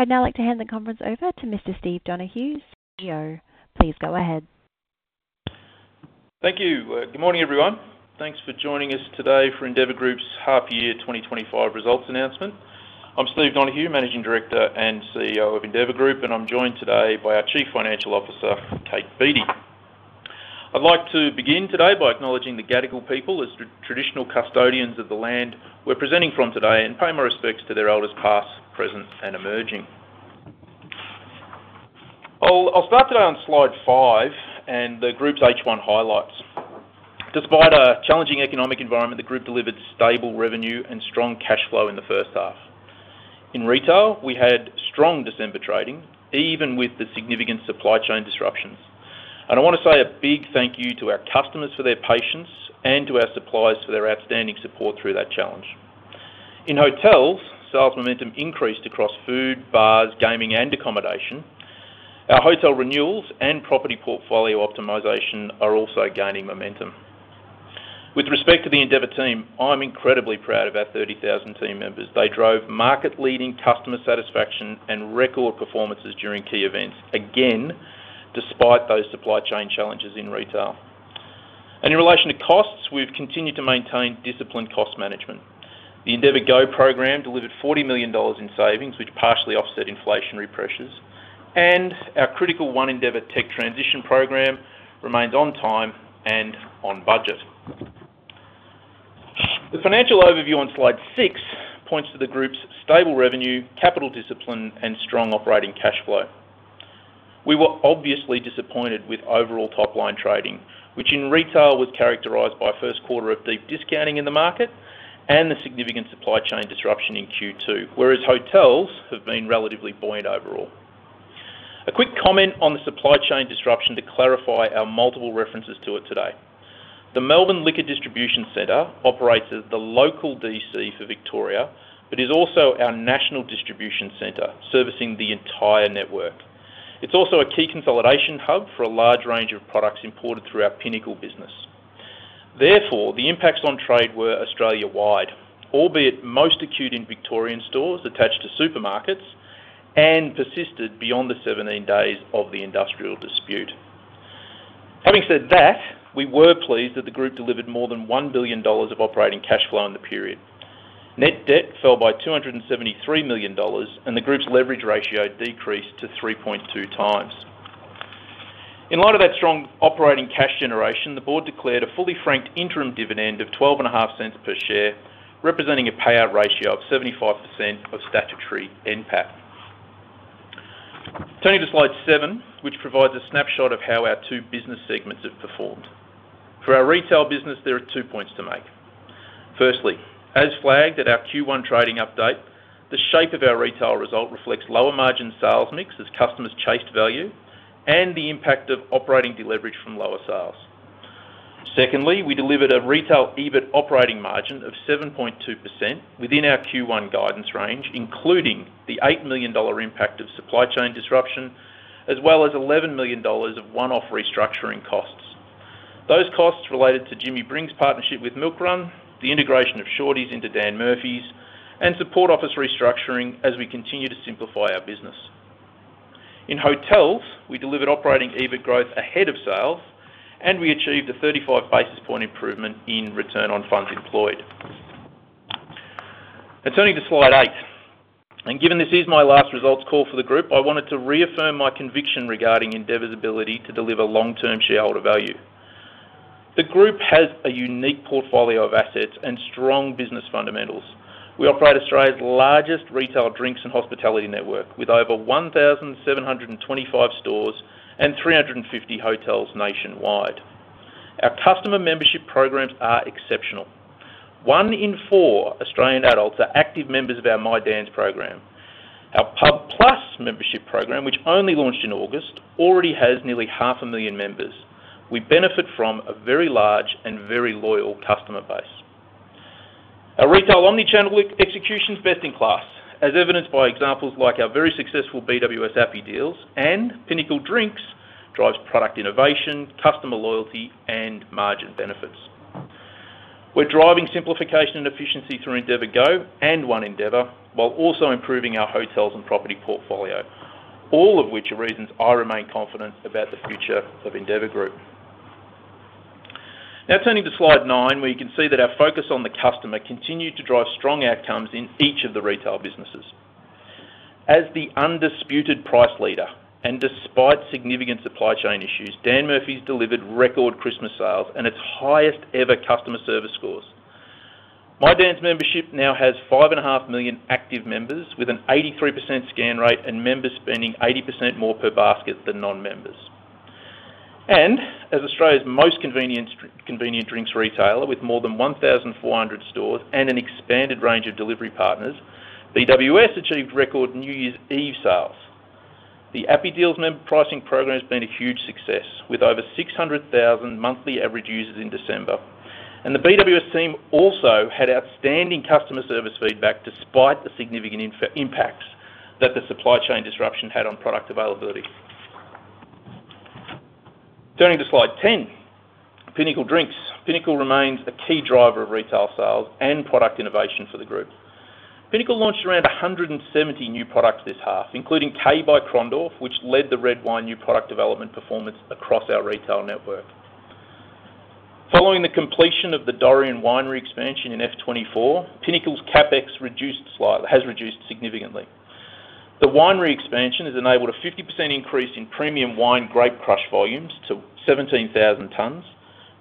I'd now like to hand the conference over to Mr. Steve Donohue, CEO. Please go ahead. Thank you. Good morning, everyone. Thanks for joining us today for Endeavour Group's Half-year 2025 results announcement. I'm Steve Donohue, Managing Director and CEO of Endeavour Group, and I'm joined today by our Chief Financial Officer, Kate Beattie. I'd like to begin today by acknowledging the Gadigal people as the traditional custodians of the land we're presenting from today and pay my respects to their elders past, present, and emerging. I'll start today on slide five and the group's H1 highlights. Despite a challenging economic environment, the group delivered stable revenue and strong cash flow in the first half. In retail, we had strong December trading, even with the significant supply chain disruptions, and I want to say a big thank you to our customers for their patience and to our suppliers for their outstanding support through that challenge. In hotels, sales momentum increased across food, bars, gaming, and accommodation. Our hotel renewals and property portfolio optimization are also gaining momentum. With respect to the Endeavour team, I'm incredibly proud of our 30,000 team members. They drove market-leading customer satisfaction and record performances during key events, again, despite those supply chain challenges in retail. And in relation to costs, we've continued to maintain disciplined cost management. The EndeavourGO program delivered 40 million dollars in savings, which partially offset inflationary pressures. And our critical One Endeavour tech transition program remained on time and on budget. The financial overview on slide six points to the group's stable revenue, capital discipline, and strong operating cash flow. We were obviously disappointed with overall top-line trading, which in retail was characterized by first quarter of deep discounting in the market and the significant supply chain disruption in Q2, whereas hotels have been relatively buoyant overall. A quick comment on the supply chain disruption to clarify our multiple references to it today. The Melbourne Liquor Distribution Centre operates as the local DC for Victoria but is also our national distribution centre, servicing the entire network. It's also a key consolidation hub for a large range of products imported through our Pinnacle business. Therefore, the impacts on trade were Australia-wide, albeit most acute in Victorian stores attached to supermarkets, and persisted beyond the 17 days of the industrial dispute. Having said that, we were pleased that the group delivered more than 1 billion dollars of operating cash flow in the period. Net debt fell by 273 million dollars, and the group's leverage ratio decreased to 3.2x. In light of that strong operating cash generation, the board declared a fully franked interim dividend of 0.125 per share, representing a payout ratio of 75% of statutory NPAT. Turning to slide seven, which provides a snapshot of how our two business segments have performed. For our Retail business, there are two points to make. Firstly, as flagged at our Q1 trading update, the shape of our retail result reflects lower margin sales mix as customers chased value and the impact of operating deleverage from lower sales. Secondly, we delivered a retail EBIT operating margin of 7.2% within our Q1 guidance range, including the 8 million dollar impact of supply chain disruption, as well as 11 million dollars of one-off restructuring costs. Those costs related to Jimmy Brings' partnership with Milkrun, the integration of Shorty's into Dan Murphy's, and support office restructuring as we continue to simplify our business. In hotels, we delivered operating EBIT growth ahead of sales, and we achieved a 35 basis points improvement in return on funds employed. Now, turning to slide eight. Given this is my last results call for the group, I wanted to reaffirm my conviction regarding Endeavour's ability to deliver long-term shareholder value. The group has a unique portfolio of assets and strong business fundamentals. We operate Australia's largest retail drinks and hospitality network with over 1,725 stores and 350 hotels nationwide. Our customer membership programs are exceptional. One in four Australian adults are active members of our My Dan's program. Our pub+ membership program, which only launched in August, already has nearly 500,000 members. We benefit from a very large and very loyal customer base. Our retail omnichannel execution is best in class, as evidenced by examples like our very successful BWS Appy Deals and Pinnacle Drinks drives product innovation, customer loyalty, and margin benefits. We're driving simplification and efficiency through EndeavourGO and One Endeavour while also improving our hotels and property portfolio, all of which are reasons I remain confident about the future of Endeavour Group. Now, turning to slide nine, where you can see that our focus on the customer continued to drive strong outcomes in each of the retail businesses. As the undisputed price leader and despite significant supply chain issues, Dan Murphy's delivered record Christmas sales and its highest ever customer service scores. My Dan's membership now has 5.5 million active members with an 83% scan rate and members spending 80% more per basket than non-members. As Australia's most convenient drinks retailer with more than 1,400 stores and an expanded range of delivery partners, BWS achieved record New Year's Eve sales. The Appy Deals member pricing program has been a huge success with over 600,000 monthly average users in December. And the BWS team also had outstanding customer service feedback despite the significant impacts that the supply chain disruption had on product availability. Turning to slide ten, Pinnacle Drinks. Pinnacle remains a key driver of retail sales and product innovation for the group. Pinnacle launched around 170 new products this half, including K by Krondorf, which led the red wine new product development performance across our retail network. Following the completion of the Dorrien winery expansion in F24, Pinnacle's CapEx has reduced significantly. The winery expansion has enabled a 50% increase in premium wine grape crush volumes to 17,000 tons,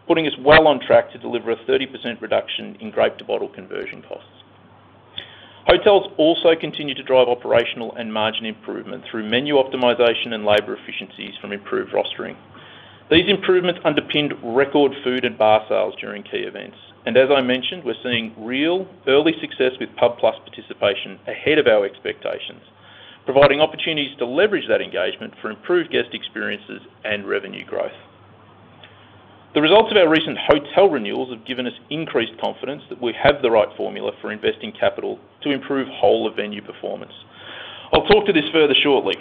putting us well on track to deliver a 30% reduction in grape-to-bottle conversion costs. Hotels also continue to drive operational and margin improvement through menu optimization and labor efficiencies from improved rostering. These improvements underpinned record food and bar sales during key events, and as I mentioned, we're seeing real early success with pub+ participation ahead of our expectations, providing opportunities to leverage that engagement for improved guest experiences and revenue growth. The results of our recent hotel renewals have given us increased confidence that we have the right formula for investing capital to improve whole-of-venue performance. I'll talk to this further shortly.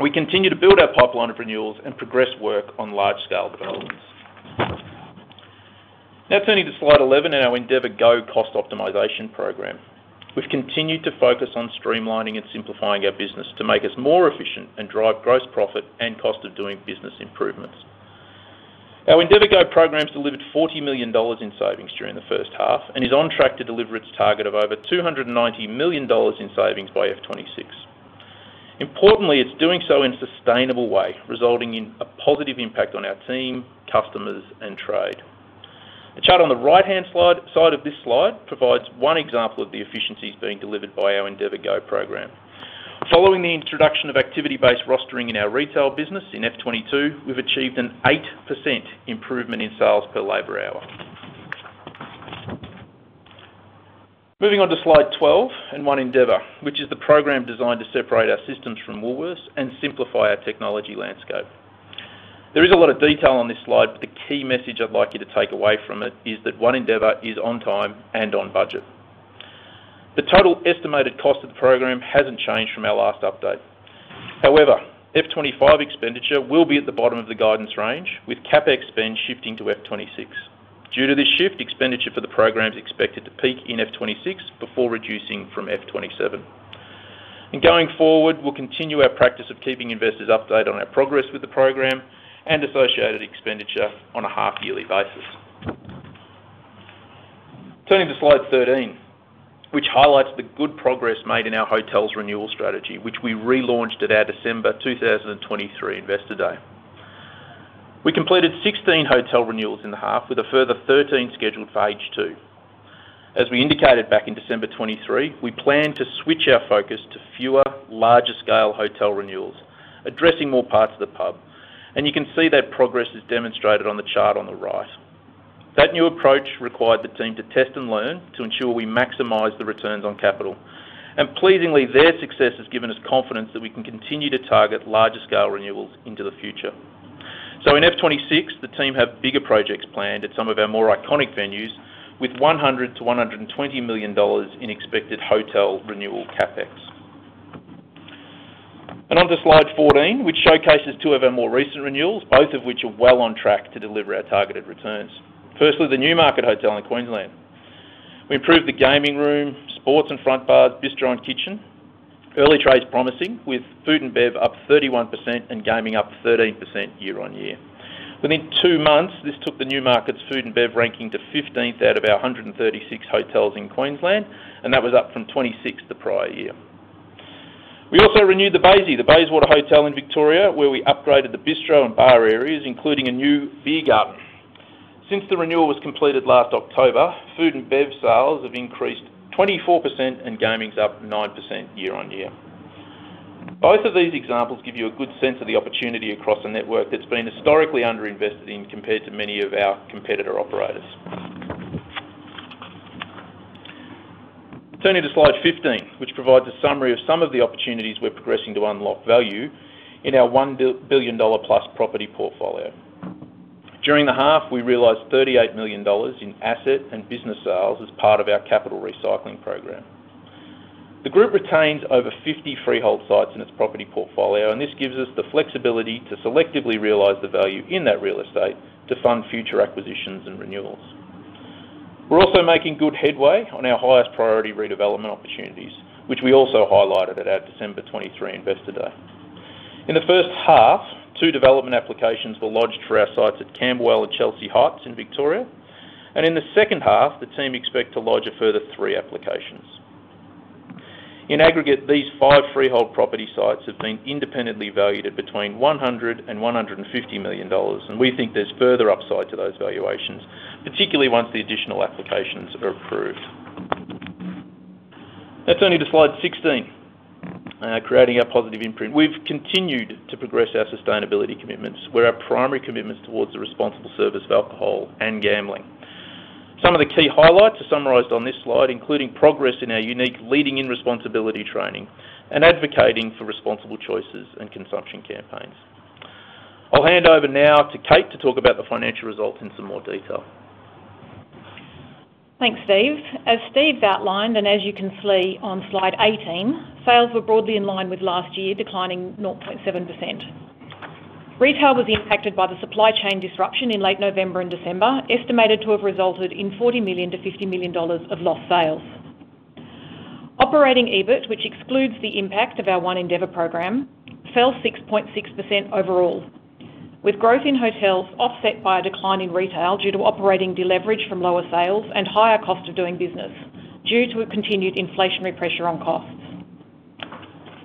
We continue to build our pipeline of renewals and progress work on large-scale developments. Now, turning to slide 11 in our EndeavourGO cost optimization program, we've continued to focus on streamlining and simplifying our business to make us more efficient and drive gross profit and cost of doing business improvements. Our EndeavourGO program has delivered 40 million dollars in savings during the first half and is on track to deliver its target of over 290 million dollars in savings by FY 2026. Importantly, it's doing so in a sustainable way, resulting in a positive impact on our team, customers, and trade. The chart on the right-hand side of this slide provides one example of the efficiencies being delivered by our EndeavourGO program. Following the introduction of activity-based rostering in our retail business in FY 2022, we've achieved an 8% improvement in sales per labor hour. Moving on to slide 12 in One Endeavour, which is the program designed to separate our systems from Woolworths and simplify our technology landscape. There is a lot of detail on this slide, but the key message I'd like you to take away from it is that One Endeavour is on time and on budget. The total estimated cost of the program hasn't changed from our last update. However, FY 2025 expenditure will be at the bottom of the guidance range, with CapEx spend shifting to FY 2026. Due to this shift, expenditure for the program is expected to peak in FY 2026 before reducing from FY 2027. Going forward, we'll continue our practice of keeping investors updated on our progress with the program and associated expenditure on a half-yearly basis. Turning to slide 13, which highlights the good progress made in our hotels' renewal strategy, which we relaunched at our December 2023 Investor Day. We completed 16 hotel renewals in the half, with a further 13 scheduled for H2. As we indicated back in December 2023, we planned to switch our focus to fewer, larger-scale hotel renewals, addressing more parts of the pub. You can see that progress is demonstrated on the chart on the right. That new approach required the team to test and learn to ensure we maximize the returns on capital. And pleasingly, their success has given us confidence that we can continue to target larger-scale renewals into the future. So in FY 2026, the team have bigger projects planned at some of our more iconic venues with 100 million-120 million dollars in expected hotel renewal CapEx. And onto slide 14, which showcases two of our more recent renewals, both of which are well on track to deliver our targeted returns. Firstly, the Newmarket Hotel in Queensland. We improved the gaming room, sports and front bars, bistro, and kitchen. Early trades promising, with food and bev up 31% and gaming up 13% year-on-year. Within two months, this took the Newmarket's food and bev ranking to 15th out of our 136 hotels in Queensland, and that was up from 26th the prior year. We also renewed the Baysea, the Bayswater Hotel in Victoria, where we upgraded the bistro and bar areas, including a new beer garden. Since the renewal was completed last October, food and bev sales have increased 24% and gaming's up 9% year-on-year. Both of these examples give you a good sense of the opportunity across the network that's been historically underinvested in compared to many of our competitor operators. Turning to slide 15, which provides a summary of some of the opportunities we're progressing to unlock value in our 1 billion dollar-plus property portfolio. During the half, we realized 38 million dollars in asset and business sales as part of our capital recycling program. The group retains over 50 freehold sites in its property portfolio, and this gives us the flexibility to selectively realize the value in that real estate to fund future acquisitions and renewals. We're also making good headway on our highest priority redevelopment opportunities, which we also highlighted at our December 2023 Investor Day. In the first half, two development applications were lodged for our sites at Camberwell and Chelsea Heights in Victoria. And in the second half, the team expect to lodge a further three applications. In aggregate, these five freehold property sites have been independently valued at between 100 million dollars and AUD 150 million, and we think there's further upside to those valuations, particularly once the additional applications are approved. Now, turning to slide 16, creating our positive imprint. We've continued to progress our sustainability commitments. We're our primary commitments towards the responsible service of alcohol and gambling. Some of the key highlights are summarized on this slide, including progress in our unique leading-in responsibility training and advocating for responsible choices and consumption campaigns. I'll hand over now to Kate to talk about the financial results in some more detail. Thanks, Steve. As Steve outlined and as you can see on slide 18, sales were broadly in line with last year, declining 0.7%. Retail was impacted by the supply chain disruption in late November and December, estimated to have resulted in 40 million-50 million dollars of lost sales. Operating EBIT, which excludes the impact of our One Endeavour program, fell 6.6% overall, with growth in hotels offset by a decline in retail due to operating deleverage from lower sales and higher cost of doing business due to continued inflationary pressure on costs.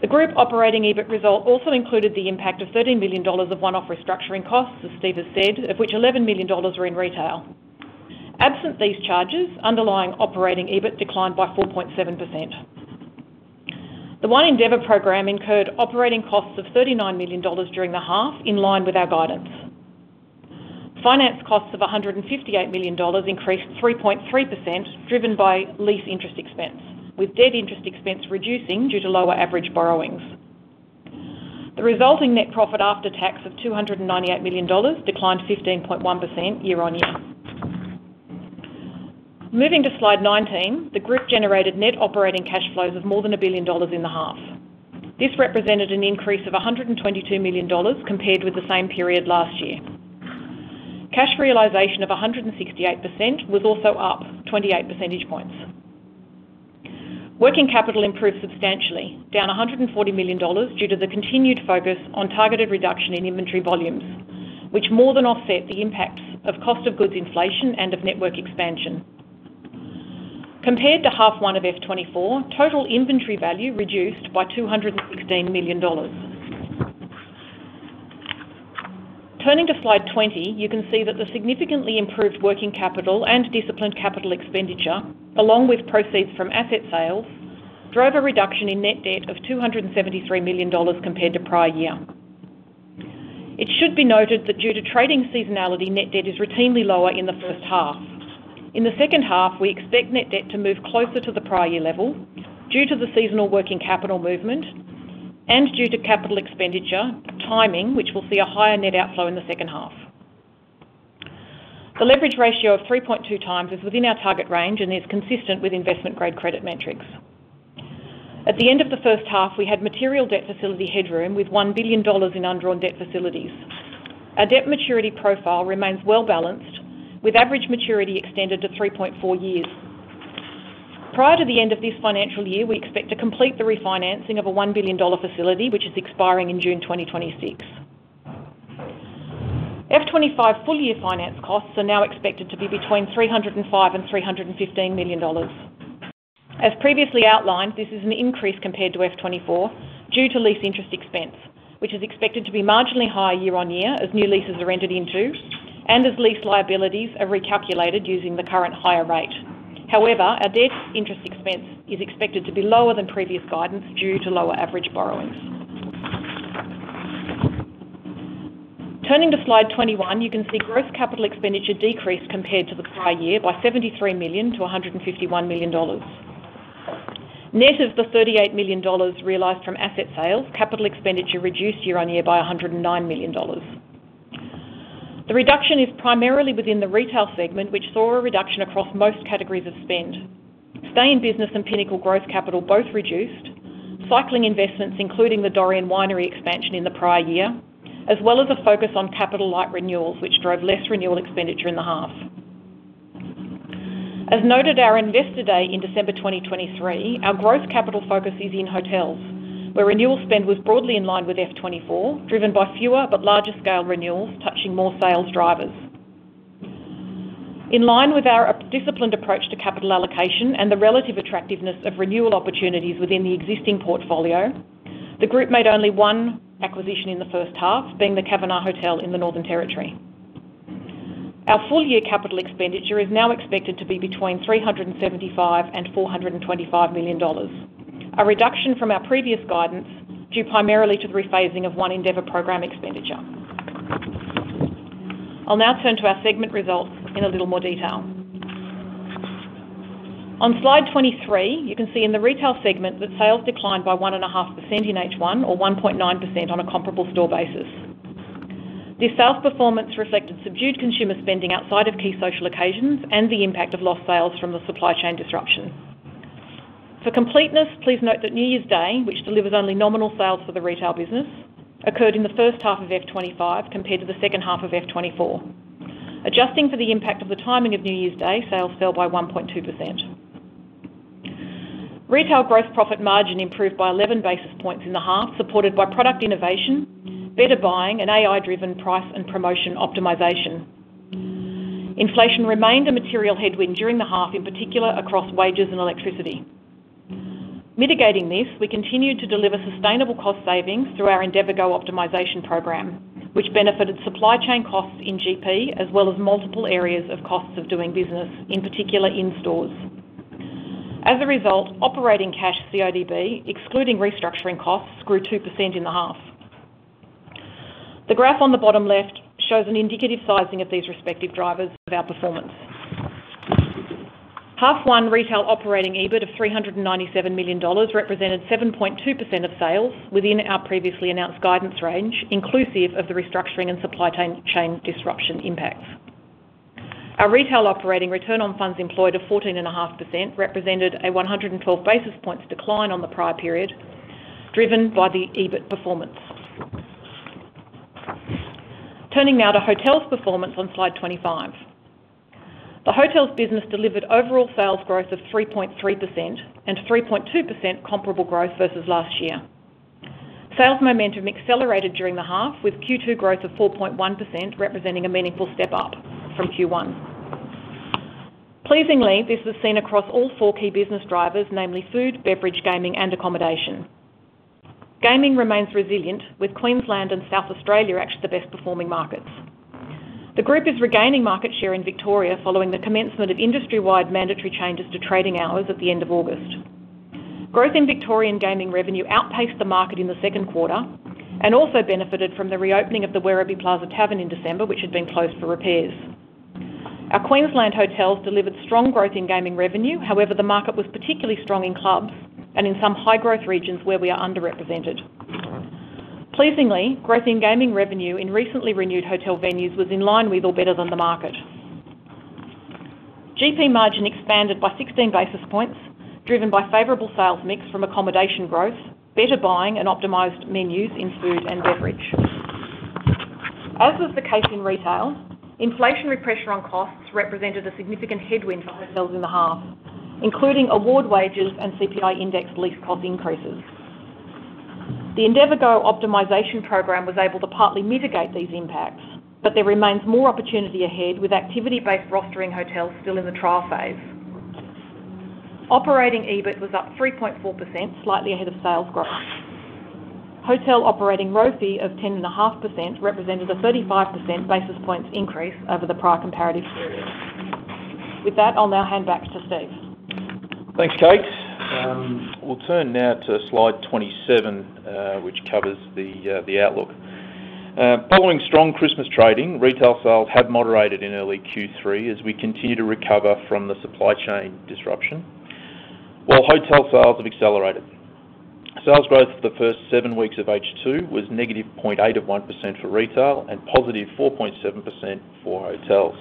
The group operating EBIT result also included the impact of 13 million dollars of one-off restructuring costs, as Steve has said, of which 11 million dollars were in retail. Absent these charges, underlying operating EBIT declined by 4.7%. The One Endeavour program incurred operating costs of 39 million dollars during the half in line with our guidance. Finance costs of 158 million dollars increased 3.3%, driven by lease interest expense, with debt interest expense reducing due to lower average borrowings. The resulting net profit after tax of 298 million dollars declined 15.1% year-on-year. Moving to slide 19, the group generated net operating cash flows of more than 1 billion dollars in the half. This represented an increase of 122 million dollars compared with the same period last year. Cash realization of 168% was also up 28 percentage points. Working capital improved substantially, down 140 million dollars due to the continued focus on targeted reduction in inventory volumes, which more than offset the impacts of cost of goods inflation and of network expansion. Compared to half one of F24, total inventory value reduced by 216 million dollars. Turning to slide 20, you can see that the significantly improved working capital and disciplined capital expenditure, along with proceeds from asset sales, drove a reduction in net debt of 273 million dollars compared to prior year. It should be noted that due to trading seasonality, net debt is routinely lower in the first half. In the second half, we expect net debt to move closer to the prior year level due to the seasonal working capital movement and due to capital expenditure timing, which will see a higher net outflow in the second half. The leverage ratio of 3.2x is within our target range, and it's consistent with investment-grade credit metrics. At the end of the first half, we had material debt facility headroom with 1 billion dollars in undrawn debt facilities. Our debt maturity profile remains well balanced, with average maturity extended to 3.4 years. Prior to the end of this financial year, we expect to complete the refinancing of a 1 billion dollar facility, which is expiring in June 2026. F 2025 full-year finance costs are now expected to be between 305 million and 315 million dollars. As previously outlined, this is an increase compared to F 2024 due to lease interest expense, which is expected to be marginally higher year-on-year as new leases are rented into and as lease liabilities are recalculated using the current higher rate. However, our debt interest expense is expected to be lower than previous guidance due to lower average borrowings. Turning to slide 21, you can see gross capital expenditure decreased compared to the prior year by 73 million-151 million dollars. Net of the 38 million dollars realized from asset sales, capital expenditure reduced year on year by 109 million dollars. The reduction is primarily within the retail segment, which saw a reduction across most categories of spend. Stay in business and Pinnacle gross capital both reduced, cycling investments, including the Dorrien winery expansion in the prior year, as well as a focus on capital-light renewals, which drove less renewal expenditure in the half. As noted at our Investor Day in December 2023, our gross capital focus is in hotels, where renewal spend was broadly in line with F 2024, driven by fewer but larger-scale renewals touching more sales drivers. In line with our disciplined approach to capital allocation and the relative attractiveness of renewal opportunities within the existing portfolio, the group made only one acquisition in the first half, being the Cavenagh Hotel in the Northern Territory. Our full-year capital expenditure is now expected to be between 375 million and 425 million dollars, a reduction from our previous guidance due primarily to the rephasing of One Endeavour program expenditure. I'll now turn to our segment results in a little more detail. On slide 23, you can see in the retail segment that sales declined by 1.5% in H1 or 1.9% on a comparable store basis. This sales performance reflected subdued consumer spending outside of key social occasions and the impact of lost sales from the supply chain disruption. For completeness, please note that New Year's Day, which delivers only nominal sales for the retail business, occurred in the first half of F 2025 compared to the second half of F2024. Adjusting for the impact of the timing of New Year's Day, sales fell by 1.2%. Retail gross profit margin improved by 11 basis points in the half, supported by product innovation, better buying, and AI-driven price and promotion optimization. Inflation remained a material headwind during the half, in particular across wages and electricity. Mitigating this, we continued to deliver sustainable cost savings through our EndeavourGOoptimization program, which benefited supply chain costs in GP as well as multiple areas of costs of doing business, in particular in stores. As a result, operating cash CODB, excluding restructuring costs, grew 2% in the half. The graph on the bottom left shows an indicative sizing of these respective drivers of our performance. 1H retail operating EBIT of 397 million dollars represented 7.2% of sales within our previously announced guidance range, inclusive of the restructuring and supply chain disruption impacts. Our retail operating return on funds employed of 14.5% represented a 112 basis points decline on the prior period, driven by the EBIT performance. Turning now to hotels' performance on slide 25. The hotels' business delivered overall sales growth of 3.3% and 3.2% comparable growth versus last year. Sales momentum accelerated during the half, with Q2 growth of 4.1% representing a meaningful step up from Q1. Pleasingly, this was seen across all four key business drivers, namely food, beverage, gaming, and accommodation. Gaming remains resilient, with Queensland and South Australia actually the best-performing markets. The group is regaining market share in Victoria following the commencement of industry-wide mandatory changes to trading hours at the end of August. Growth in Victorian gaming revenue outpaced the market in the second quarter and also benefited from the reopening of the Werribee Plaza Tavern in December, which had been closed for repairs. Our Queensland hotels delivered strong growth in gaming revenue. However, the market was particularly strong in clubs and in some high-growth regions where we are underrepresented. Pleasingly, growth in gaming revenue in recently renewed hotel venues was in line with or better than the market. GP margin expanded by 16 basis points, driven by favorable sales mix from accommodation growth, better buying, and optimized menus in food and beverage. As was the case in retail, inflationary pressure on costs represented a significant headwind for hotels in the half, including award wages and CPI-indexed lease cost increases. The EndeavourGO optimization program was able to partly mitigate these impacts, but there remains more opportunity ahead with activity-based rostering hotels still in the trial phase. Operating EBIT was up 3.4%, slightly ahead of sales growth. Hotel operating ROI of 10.5% represented a 35 basis points increase over the prior comparative period. With that, I'll now hand back to Steve. Thanks, Kate. We'll turn now to slide 27, which covers the outlook. Following strong Christmas trading, retail sales have moderated in early Q3 as we continue to recover from the supply chain disruption while hotel sales have accelerated. Sales growth for the first seven weeks of H2 was -0.81% for retail and +4.7% for hotels.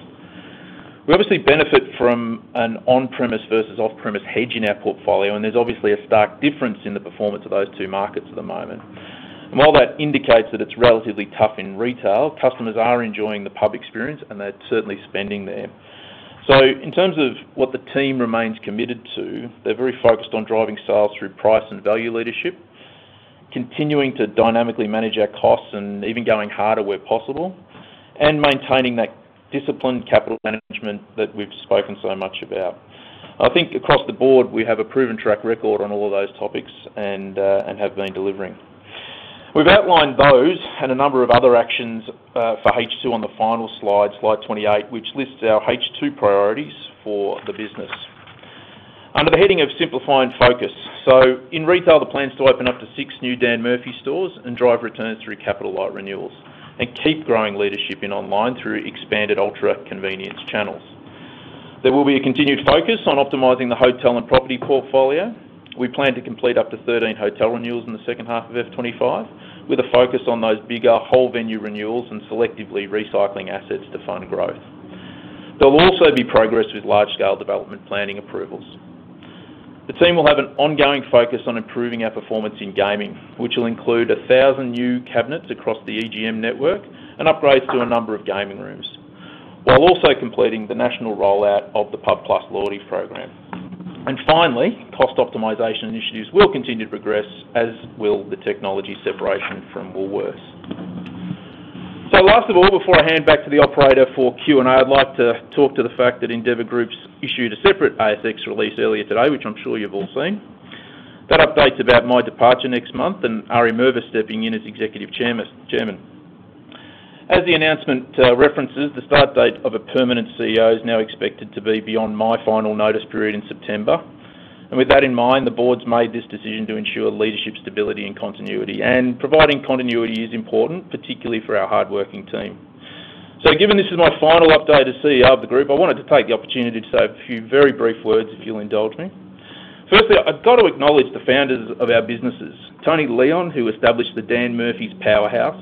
We obviously benefit from an on-premise versus off-premise hedge in our portfolio, and there's obviously a stark difference in the performance of those two markets at the moment. While that indicates that it's relatively tough in retail, customers are enjoying the pub experience, and they're certainly spending there. In terms of what the team remains committed to, they're very focused on driving sales through price and value leadership, continuing to dynamically manage our costs and even going harder where possible, and maintaining that disciplined capital management that we've spoken so much about. I think across the board, we have a proven track record on all of those topics and have been delivering. We've outlined those and a number of other actions for H2 on the final slide, slide 28, which lists our H2 priorities for the business under the heading of simplifying focus. In retail, the plan is to open up to six new Dan Murphy's stores and drive returns through capital-light renewals and keep growing leadership in online through expanded ultra-convenience channels. There will be a continued focus on optimizing the hotel and property portfolio. We plan to complete up to 13 hotel renewals in the second half of F 2025, with a focus on those bigger whole-venue renewals and selectively recycling assets to fund growth. There will also be progress with large-scale development planning approvals. The team will have an ongoing focus on improving our performance in gaming, which will include 1,000 new cabinets across the EGM network and upgrades to a number of gaming rooms, while also completing the national rollout of the pub+ loyalty program. And finally, cost optimization initiatives will continue to progress, as will the technology separation from Woolworths. So last of all, before I hand back to the operator for Q&A, I'd like to talk to the fact that Endeavour Group's issued a separate ASX release earlier today, which I'm sure you've all seen. But an update about my departure next month and Ari Mervis stepping in as Executive Chairman. As the announcement references, the start date of a permanent CEO is now expected to be beyond my final notice period in September. With that in mind, the board's made this decision to ensure leadership stability and continuity. Providing continuity is important, particularly for our hardworking team. Given this is my final update as CEO of the group, I wanted to take the opportunity to say a few very brief words if you'll indulge me. Firstly, I've got to acknowledge the founders of our businesses: Tony Leon, who established the Dan Murphy's powerhouse,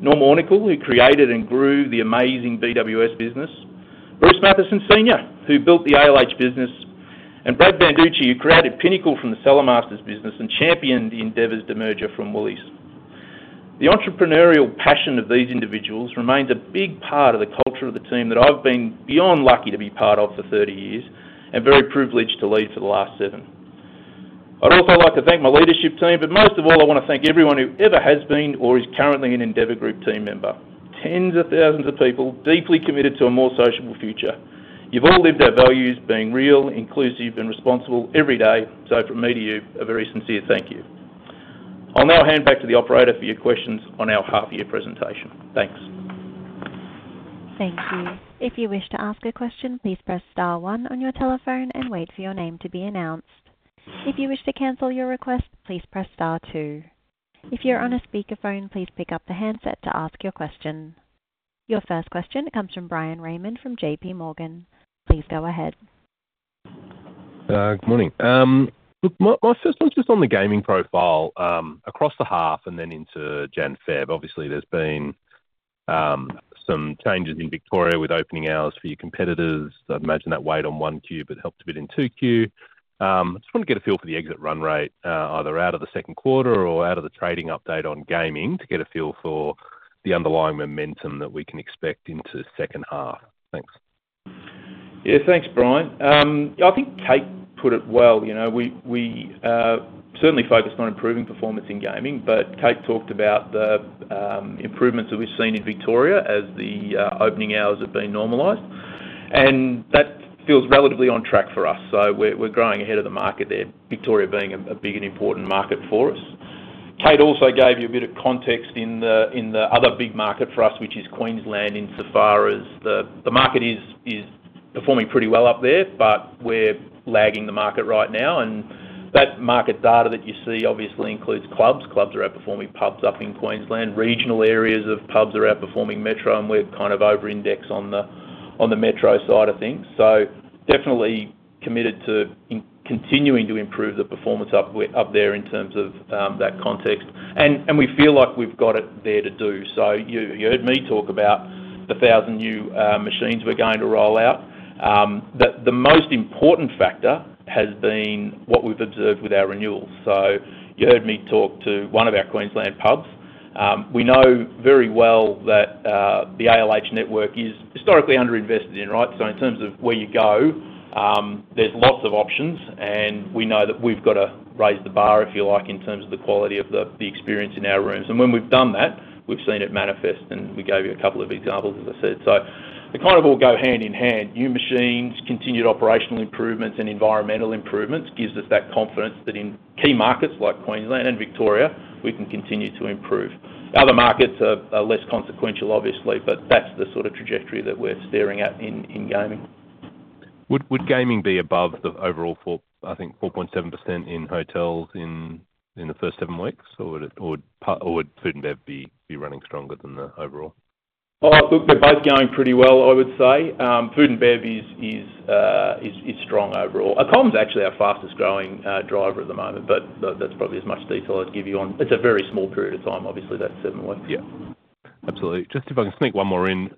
Norm O'Neill, who created and grew the amazing BWS business, Bruce Matheson, Senior, who built the ALH business, and Brad Banducci, who created Pinnacle from the Cellarmasters business and championed Endeavour's demerger from Woolworths. The entrepreneurial passion of these individuals remains a big part of the culture of the team that I've been beyond lucky to be part of for 30 years and very privileged to lead for the last seven. I'd also like to thank my leadership team, but most of all, I want to thank everyone who ever has been or is currently an Endeavour Group team member. Tens of thousands of people deeply committed to a more sociable future. You've all lived our values being real, inclusive, and responsible every day, so from me to you, a very sincere thank you. I'll now hand back to the operator for your questions on our half-year presentation. Thanks. Thank you. If you wish to ask a question, please press star one on your telephone and wait for your name to be announced. If you wish to cancel your request, please press star two. If you're on a speakerphone, please pick up the handset to ask your question. Your first question comes from Brian Raymond from JPMorgan. Please go ahead. Good morning. My first one's just on the gaming profile across the half and then into Jan, Feb. Obviously, there's been some changes in Victoria with opening hours for your competitors. I imagine that weighed on 1Q, but it helped a bit in 2Q. I just want to get a feel for the exit run rate, either out of the second quarter or out of the trading update on gaming, to get a feel for the underlying momentum that we can expect into second-half. Thanks. Yeah, thanks, Brian. I think Kate put it well. We certainly focused on improving performance in gaming, but Kate talked about the improvements that we've seen in Victoria as the opening hours have been normalized. And that feels relatively on track for us, so we're growing ahead of the market there, Victoria being a big and important market for us. Kate also gave you a bit of context in the other big market for us, which is Queensland in sofar as the market is performing pretty well up there, but we're lagging the market right now. And that market data that you see obviously includes clubs. Clubs are outperforming pubs up in Queensland. Regional areas of pubs are outperforming metro, and we're kind of over-indexed on the metro side of things. So definitely committed to continuing to improve the performance up there in terms of that context. And we feel like we've got it there to do. So you heard me talk about the 1,000 new machines we're going to roll out. The most important factor has been what we've observed with our renewals. You heard me talk to one of our Queensland pubs. We know very well that the ALH network is historically underinvested in, right? In terms of where you go, there's lots of options, and we know that we've got to raise the bar, if you like, in terms of the quality of the experience in our rooms. When we've done that, we've seen it manifest, and we gave you a couple of examples, as I said. They kind of all go hand in hand. New machines, continued operational improvements, and environmental improvements give us that confidence that in key markets like Queensland and Victoria, we can continue to improve. Other markets are less consequential, obviously, but that's the sort of trajectory that we're steering at in gaming. Would gaming be above the overall, I think, 4.7% in hotels in the first seven weeks, or would Food & Bev be running stronger than the overall? They're both going pretty well, I would say. Food & Bev is strong overall. Comms is actually our fastest growing driver at the moment, but that's probably as much detail I'd give you on. It's a very small period of time, obviously, that seven weeks. Yeah. Absolutely. Just if I can sneak one more in,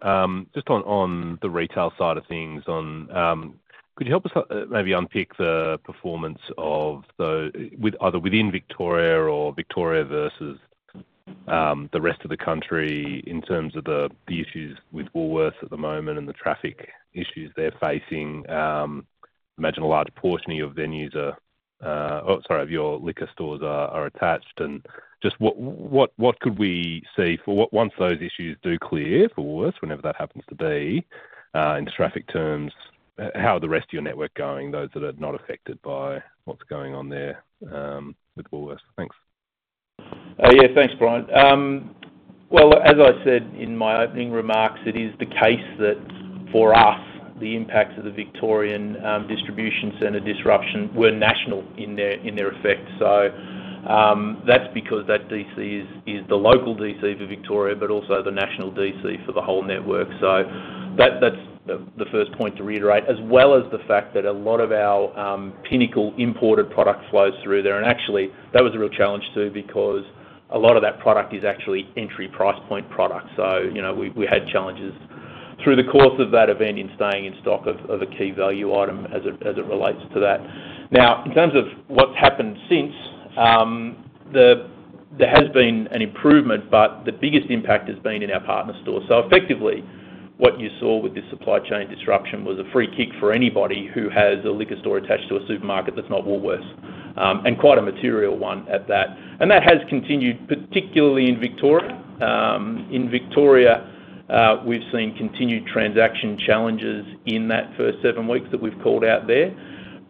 just on the retail side of things, could you help us maybe unpick the performance of either within Victoria or Victoria versus the rest of the country in terms of the issues with Woolworths at the moment and the traffic issues they're facing? I imagine a large portion of your venues are, oh, sorry, of your liquor stores are attached. Just what could we see once those issues do clear for Woolworths, whenever that happens to be in traffic terms? How are the rest of your network going, those that are not affected by what's going on there with Woolworths? Thanks. Yeah, thanks, Brian. As I said in my opening remarks, it is the case that for us, the impacts of the Victorian Distribution Centre disruption were national in their effect. That's because that DC is the local DC for Victoria, but also the national DC for the whole network. That's the first point to reiterate, as well as the fact that a lot of our Pinnacle imported product flows through there. Actually, that was a real challenge too because a lot of that product is actually entry price point product. So we had challenges through the course of that event in staying in stock of a key value item as it relates to that. Now, in terms of what's happened since, there has been an improvement, but the biggest impact has been in our partner stores. So effectively, what you saw with this supply chain disruption was a free kick for anybody who has a liquor store attached to a supermarket that's not Woolworths, and quite a material one at that. And that has continued, particularly in Victoria. In Victoria, we've seen continued transaction challenges in that first seven weeks that we've called out there.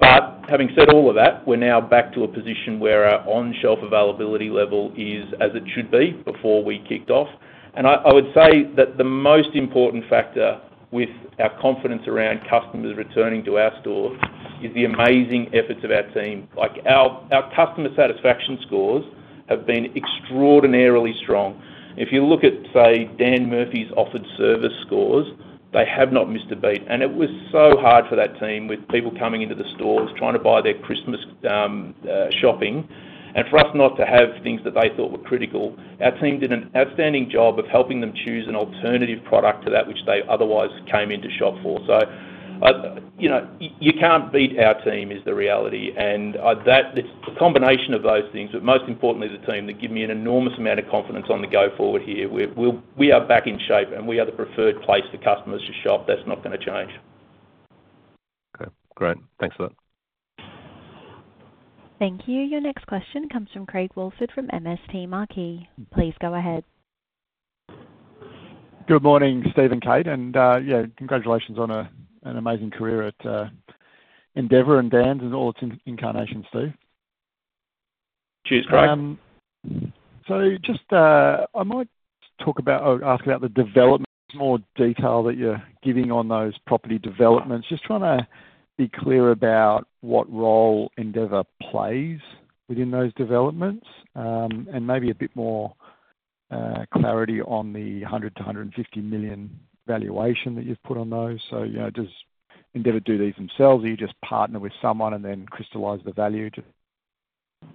But having said all of that, we're now back to a position where our on-shelf availability level is as it should be before we kicked off. I would say that the most important factor with our confidence around customers returning to our stores is the amazing efforts of our team. Our customer satisfaction scores have been extraordinarily strong. If you look at, say, Dan Murphy's offered service scores, they have not missed a beat. It was so hard for that team with people coming into the stores trying to buy their Christmas shopping. For us not to have things that they thought were critical, our team did an outstanding job of helping them choose an alternative product to that which they otherwise came into shop for. You can't beat our team, is the reality. It's the combination of those things, but most importantly, the team that give me an enormous amount of confidence on the go-forward here. We are back in shape, and we are the preferred place for customers to shop. That's not going to change. Okay. Great. Thanks for that. Thank you. Your next question comes from Craig Woolford from MST Marquee. Please go ahead. Good morning, Steve and Kate. And yeah, congratulations on an amazing career at Endeavour and Dan's and all its incarnations, Steve. Cheers, Craig. So just I might talk about or ask about the development, more detail that you're giving on those property developments. Just trying to be clear about what role Endeavour plays within those developments and maybe a bit more clarity on the 100 million-150 million valuation that you've put on those. So does Endeavour do these themselves, or do you just partner with someone and then crystallize the value to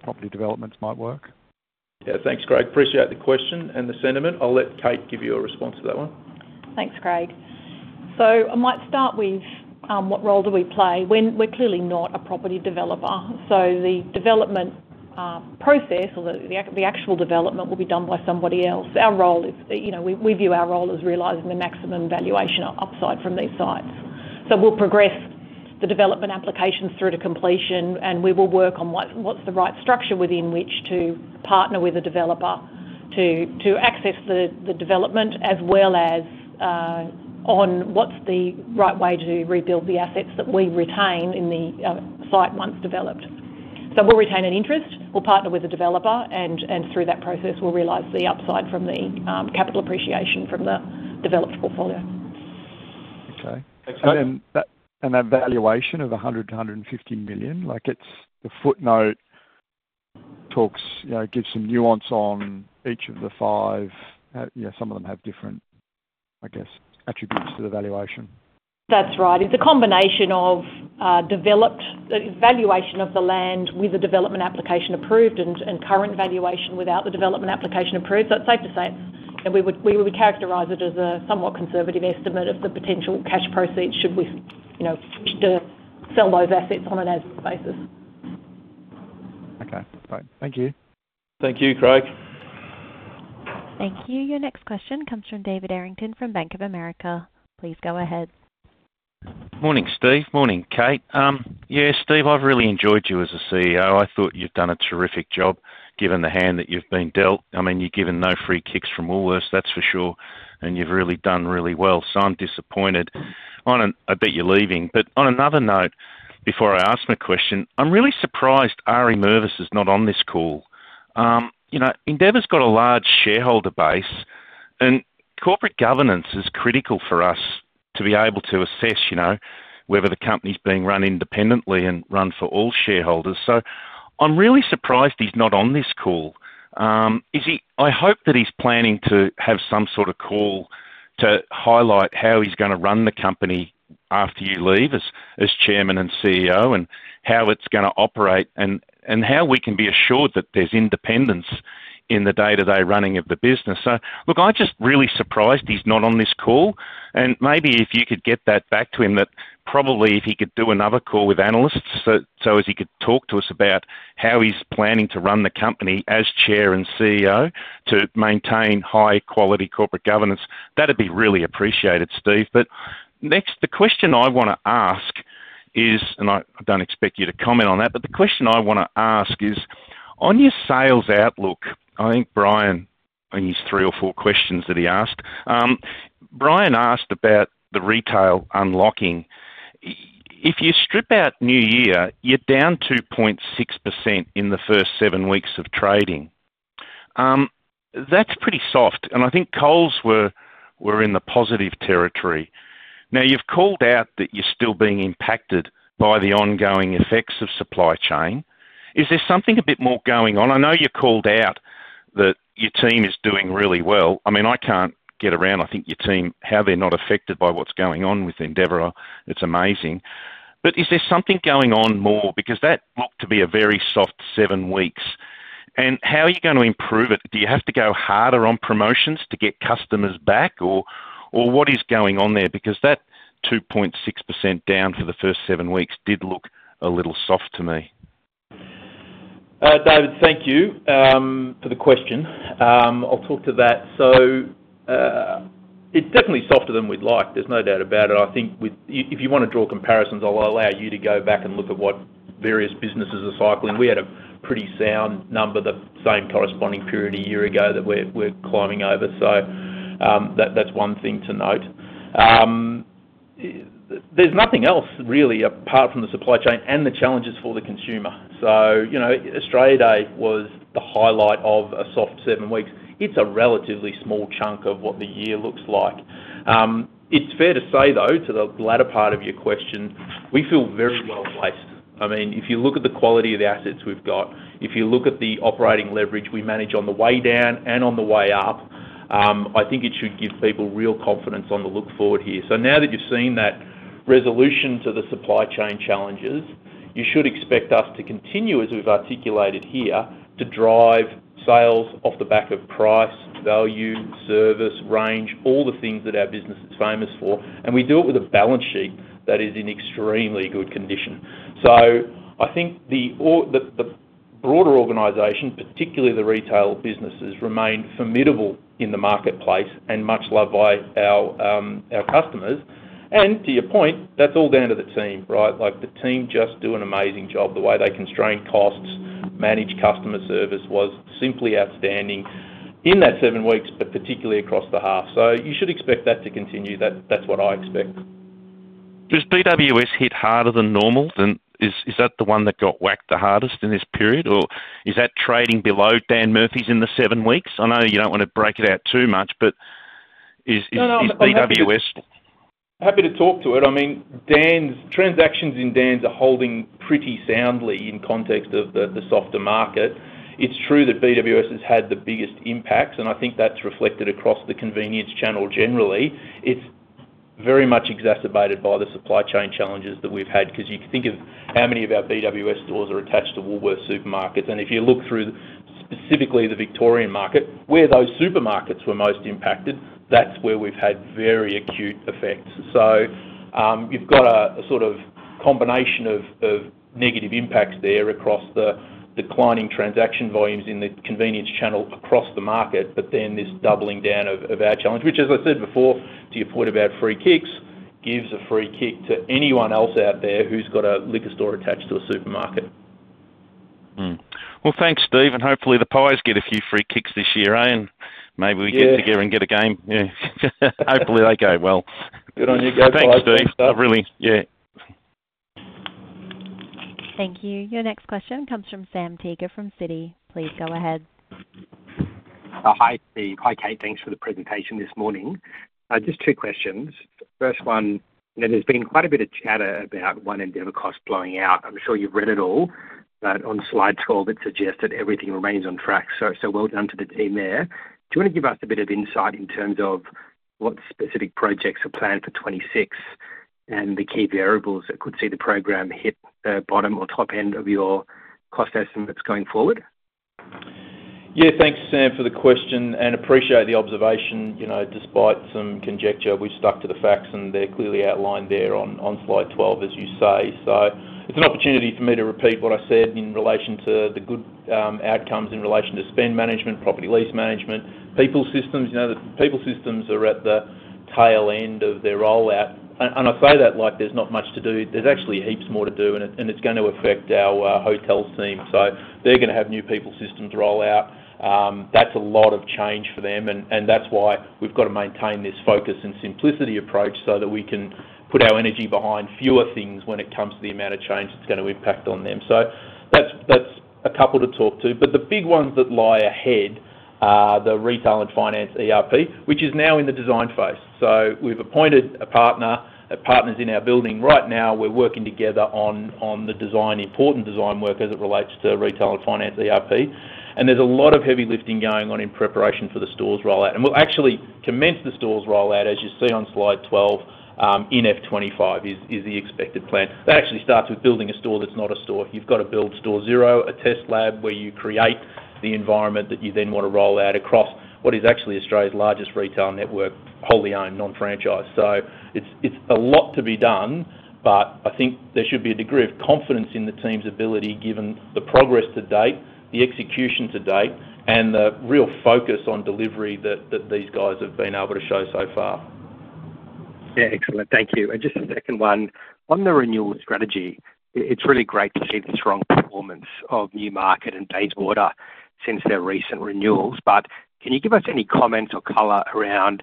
property developments might work? Yeah, thanks, Craig. Appreciate the question and the sentiment. I'll let Kate give you a response to that one. Thanks, Craig. So I might start with what role do we play. We're clearly not a property developer. So the development process or the actual development will be done by somebody else. Our role is we view our role as realizing the maximum valuation upside from these sites. So we'll progress the development applications through to completion, and we will work on what's the right structure within which to partner with a developer to access the development, as well as on what's the right way to rebuild the assets that we retain in the site once developed. So we'll retain an interest. We'll partner with a developer, and through that process, we'll realize the upside from the capital appreciation from the developed portfolio. Okay. That valuation of 100 million-150 million, the footnote gives some nuance on each of the five. Yeah, some of them have different, I guess, attributes to the valuation. That's right. It's a combination of valuation of the land with a development application approved and current valuation without the development application approved. So it's safe to say we would characterize it as a somewhat conservative estimate of the potential cash proceeds should we sell those assets on an asset basis. Okay. Great. Thank you. Thank you, Craig. Thank you. Your next question comes from David Errington from Bank of America. Please go ahead. Morning, Steve. Morning, Kate. Yeah, Steve, I've really enjoyed you as a CEO. I thought you've done a terrific job given the hand that you've been dealt. I mean, you've given no free kicks from Woolworths, that's for sure. And you've really done really well. So I'm disappointed a bit you're leaving. But on another note, before I ask my question, I'm really surprised Ari Mervis is not on this call. Endeavour's got a large shareholder base, and corporate governance is critical for us to be able to assess whether the company's being run independently and run for all shareholders. So I'm really surprised he's not on this call. I hope that he's planning to have some sort of call to highlight how he's going to run the company after you leave as Chairman and CEO and how it's going to operate and how we can be assured that there's independence in the day-to-day running of the business. So look, I'm just really surprised he's not on this call. Maybe if you could get that back to him, that probably if he could do another call with analysts so as he could talk to us about how he's planning to run the company as chair and CEO to maintain high-quality corporate governance, that'd be really appreciated, Steve. Next, the question I want to ask is, and I don't expect you to comment on that, but the question I want to ask is, on your sales outlook, I think Brian, I think he's three or four questions that he asked. Brian asked about the retail unlocking. If you strip out new year, you're down 2.6% in the first seven weeks of trading. That's pretty soft. I think Coles were in the positive territory. Now, you've called out that you're still being impacted by the ongoing effects of supply chain. Is there something a bit more going on? I know you called out that your team is doing really well. I mean, I can't get around, I think, your team, how they're not affected by what's going on with Endeavour. It's amazing. But is there something going on more? Because that looked to be a very soft seven weeks. And how are you going to improve it? Do you have to go harder on promotions to get customers back, or what is going on there? Because that 2.6% down for the first seven weeks did look a little soft to me. David, thank you for the question. I'll talk to that. So it's definitely softer than we'd like. There's no doubt about it. I think if you want to draw comparisons, I'll allow you to go back and look at what various businesses are cycling. We had a pretty sound number, the same corresponding period a year ago that we're climbing over. So that's one thing to note. There's nothing else really apart from the supply chain and the challenges for the consumer. So Australia Day was the highlight of a soft seven weeks. It's a relatively small chunk of what the year looks like. It's fair to say, though, to the latter part of your question, we feel very well placed. I mean, if you look at the quality of the assets we've got, if you look at the operating leverage we manage on the way down and on the way up, I think it should give people real confidence on the look forward here. So now that you've seen that resolution to the supply chain challenges, you should expect us to continue, as we've articulated here, to drive sales off the back of price, value, service, range, all the things that our business is famous for. And we do it with a balance sheet that is in extremely good condition. So I think the broader organization, particularly the retail businesses, remain formidable in the marketplace and much loved by our customers. And to your point, that's all down to the team, right? The team just do an amazing job. The way they constrain costs, manage customer service was simply outstanding in that seven weeks, but particularly across the half. So you should expect that to continue. That's what I expect. Does BWS hit harder than normal? Is that the one that got whacked the hardest in this period, or is that trading below Dan Murphy's in the seven weeks? I know you don't want to break it out too much, but is BWS? Happy to talk to it. I mean, transactions in Dan's are holding pretty soundly in context of the softer market. It's true that BWS has had the biggest impacts, and I think that's reflected across the convenience channel generally. It's very much exacerbated by the supply chain challenges that we've had because you can think of how many of our BWS stores are attached to Woolworths supermarkets, and if you look through specifically the Victorian market, where those supermarkets were most impacted, that's where we've had very acute effects. So you've got a sort of combination of negative impacts there across the declining transaction volumes in the convenience channel across the market, but then this doubling down of our challenge, which, as I said before, to your point about free kicks, gives a free kick to anyone else out there who's got a liquor store attached to a supermarket. Well, thanks, Steve. And hopefully, the pies get a few free kicks this year. And maybe we get together and get a game. Hopefully, they go well. Good on you. Go for it, Steve. I really yeah. Thank you. Your next question comes from Sam Teeger from Citi. Please go ahead. Hi, Steve. Hi, Kate. Thanks for the presentation this morning. Just two questions. First one, there's been quite a bit of chatter about One Endeavour cost blowing out. I'm sure you've read it all, but on slide 12, it suggests that everything remains on track. So well done to the team there. Do you want to give us a bit of insight in terms of what specific projects are planned for 2026 and the key variables that could see the program hit the bottom or top end of your cost estimates going forward? Yeah, thanks, Sam, for the question and appreciate the observation. Despite some conjecture, we've stuck to the facts, and they're clearly outlined there on slide 12, as you say. So it's an opportunity for me to repeat what I said in relation to the good outcomes in relation to spend management, property lease management, people systems. The people systems are at the tail end of their rollout, and I say that like there's not much to do. There's actually heaps more to do, and it's going to affect our hotels' team. So they're going to have new people systems roll out. That's a lot of change for them. And that's why we've got to maintain this focus and simplicity approach so that we can put our energy behind fewer things when it comes to the amount of change that's going to impact on them. So that's a couple to talk to. But the big ones that lie ahead are the retail and finance ERP, which is now in the design phase. So we've appointed a partner. The partner's in our building right now. We're working together on the important design work as it relates to retail and finance ERP. And there's a lot of heavy lifting going on in preparation for the stores' rollout. We'll actually commence the stores' rollout, as you see on slide 12, in F 2025 is the expected plan. That actually starts with building a store that's not a store. You've got to build store zero, a test lab where you create the environment that you then want to roll out across what is actually Australia's largest retail network, wholly owned, non-franchised. So it's a lot to be done, but I think there should be a degree of confidence in the team's ability given the progress to date, the execution to date, and the real focus on delivery that these guys have been able to show so far. Yeah, excellent. Thank you. Just a second one. On the renewal strategy, it's really great to see the strong performance of Newmarket and Bayswater since their recent renewals. But can you give us any comments or color around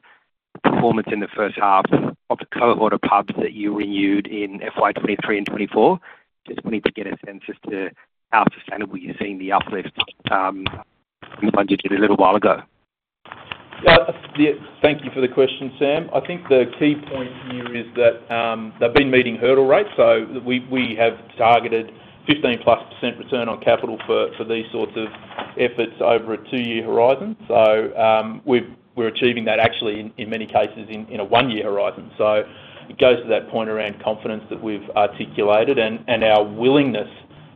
performance in the first half of the cohort of pubs that you renewed in FY 2023 and FY 2024? Just wanting to get a sense as to how sustainable you're seeing the uplift from the budget a little while ago. Thank you for the question, Sam. I think the key point here is that they've been meeting hurdle rates. So we have targeted 15+% return on capital for these sorts of efforts over a two-year horizon. So we're achieving that actually in many cases in a one-year horizon. So it goes to that point around confidence that we've articulated and our willingness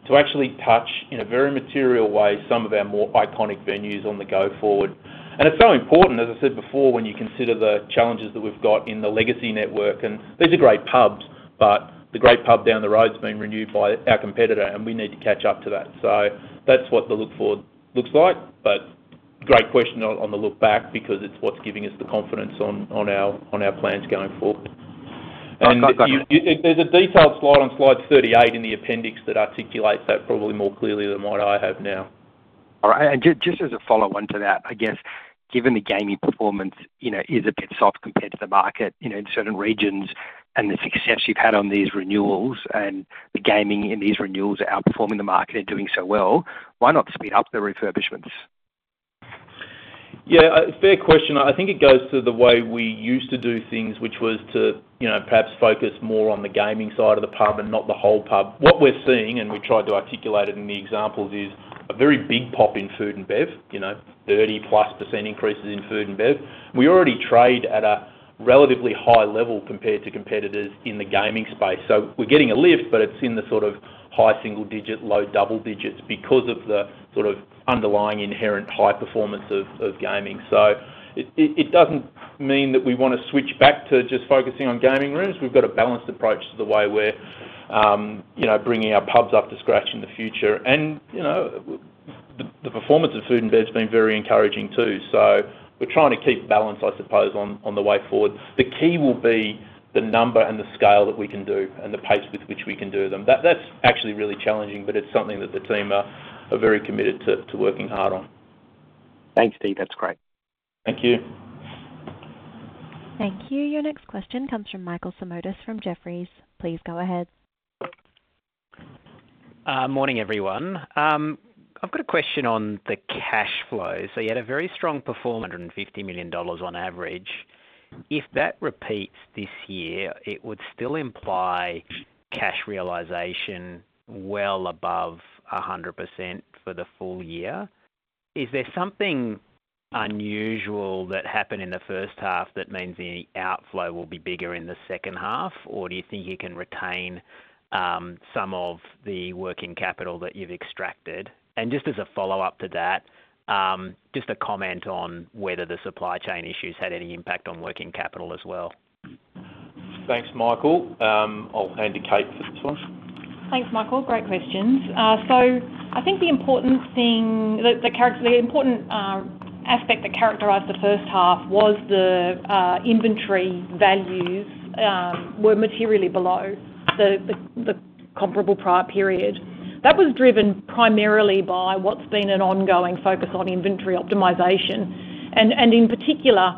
to actually touch in a very material way some of our more iconic venues on the go forward. And it's so important, as I said before, when you consider the challenges that we've got in the legacy network. And these are great pubs, but the great pub down the road's been renewed by our competitor, and we need to catch up to that. So that's what the look forward looks like. But great question on the look back because it's what's giving us the confidence on our plans going forward. And there's a detailed slide on slide 38 in the appendix that articulates that probably more clearly than what I have now. All right. And just as a follow-on to that, I guess, given the gaming performance is a bit soft compared to the market in certain regions and the success you've had on these renewals and the gaming in these renewals outperforming the market and doing so well, why not speed up the refurbishments? Yeah, fair question. I think it goes to the way we used to do things, which was to perhaps focus more on the gaming side of the pub and not the whole pub. What we're seeing, and we tried to articulate it in the examples, is a very big pop in Food & Bev, 30+% increases in Food & Bev. We already trade at a relatively high level compared to competitors in the gaming space. So we're getting a lift, but it's in the sort of high single digit, low double digits because of the sort of underlying inherent high performance of gaming. So it doesn't mean that we want to switch back to just focusing on gaming rooms. We've got a balanced approach to the way we're bringing our pubs up to scratch in the future, and the performance of food and bev has been very encouraging too. So we're trying to keep balance, I suppose, on the way forward. The key will be the number and the scale that we can do and the pace with which we can do them. That's actually really challenging, but it's something that the team are very committed to working hard on. Thanks, Steve. That's great. Thank you. Thank you. Your next question comes from Michael Simotas from Jefferies. Please go ahead. Morning, everyone. I've got a question on the cash flow. So you had a very strong performance, 150 million dollars on average. If that repeats this year, it would still imply cash realization well above 100% for the full year. Is there something unusual that happened in the first half that means the outflow will be bigger in the second half, or do you think you can retain some of the working capital that you've extracted? And just as a follow-up to that, just a comment on whether the supply chain issues had any impact on working capital as well. Thanks, Michael. I'll hand to Kate for this one. Thanks, Michael. Great questions. So I think the important aspect that characterized the first half was the inventory values were materially below the comparable prior period. That was driven primarily by what's been an ongoing focus on inventory optimization. And in particular,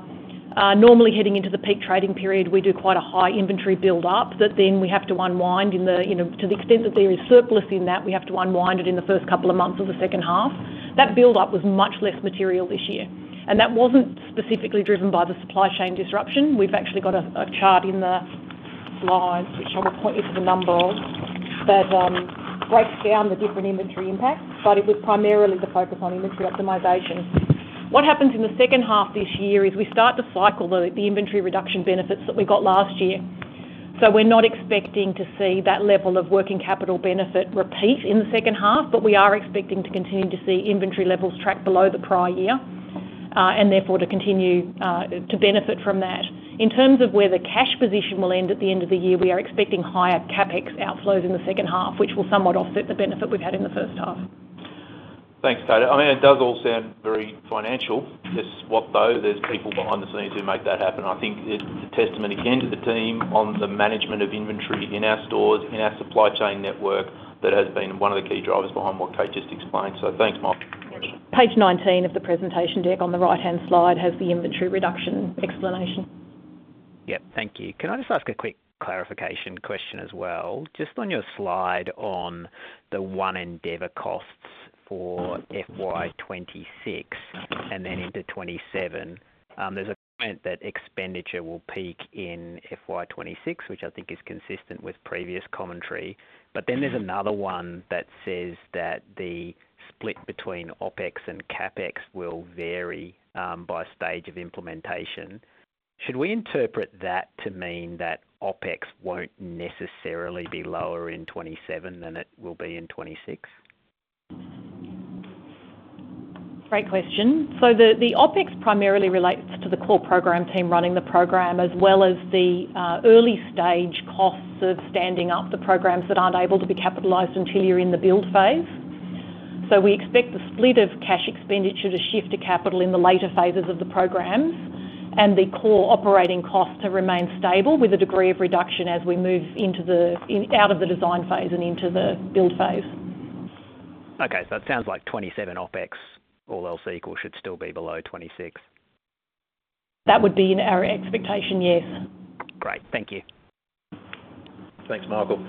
normally heading into the peak trading period, we do quite a high inventory build-up that then we have to unwind. To the extent that there is surplus in that, we have to unwind it in the first couple of months of the second half. That build-up was much less material this year. And that wasn't specifically driven by the supply chain disruption. We've actually got a chart in the slides, which I will point you to the number of, that breaks down the different inventory impacts, but it was primarily the focus on inventory optimization. What happens in the second half this year is we start to cycle the inventory reduction benefits that we got last year. So we're not expecting to see that level of working capital benefit repeat in the second half, but we are expecting to continue to see inventory levels track below the prior year and therefore to continue to benefit from that. In terms of where the cash position will end at the end of the year, we are expecting higher CapEx outflows in the second half, which will somewhat offset the benefit we've had in the first half. Thanks, Kate. I mean, it does all sound very financial. It's what, though? There's people behind the scenes who make that happen. I think it's a testament again to the team on the management of inventory in our stores, in our supply chain network, that has been one of the key drivers behind what Kate just explained. So thanks, Michael. Page 19 of the presentation deck on the right-hand slide has the inventory reduction explanation. Yeah, thank you. Can I just ask a quick clarification question as well? Just on your slide on the One Endeavour costs for FY 2026 and then into 2027, there's a comment that expenditure will peak in FY 2026, which I think is consistent with previous commentary. But then there's another one that says that the split between OpEx and CapEx will vary by stage of implementation. Should we interpret that to mean that OpEx won't necessarily be lower in 2027 than it will be in 2026? Great question. So the OpEx primarily relates to the core program team running the program, as well as the early-stage costs of standing up the programs that aren't able to be capitalized until you're in the build phase. So we expect the split of cash expenditure to shift to capital in the later phases of the programs and the core operating costs to remain stable with a degree of reduction as we move out of the design phase and into the build phase. Okay. So it sounds like 2027 OpEx, all else equal, should still be below 2026. That would be our expectation, yes. Great. Thank you. Thanks, Michael.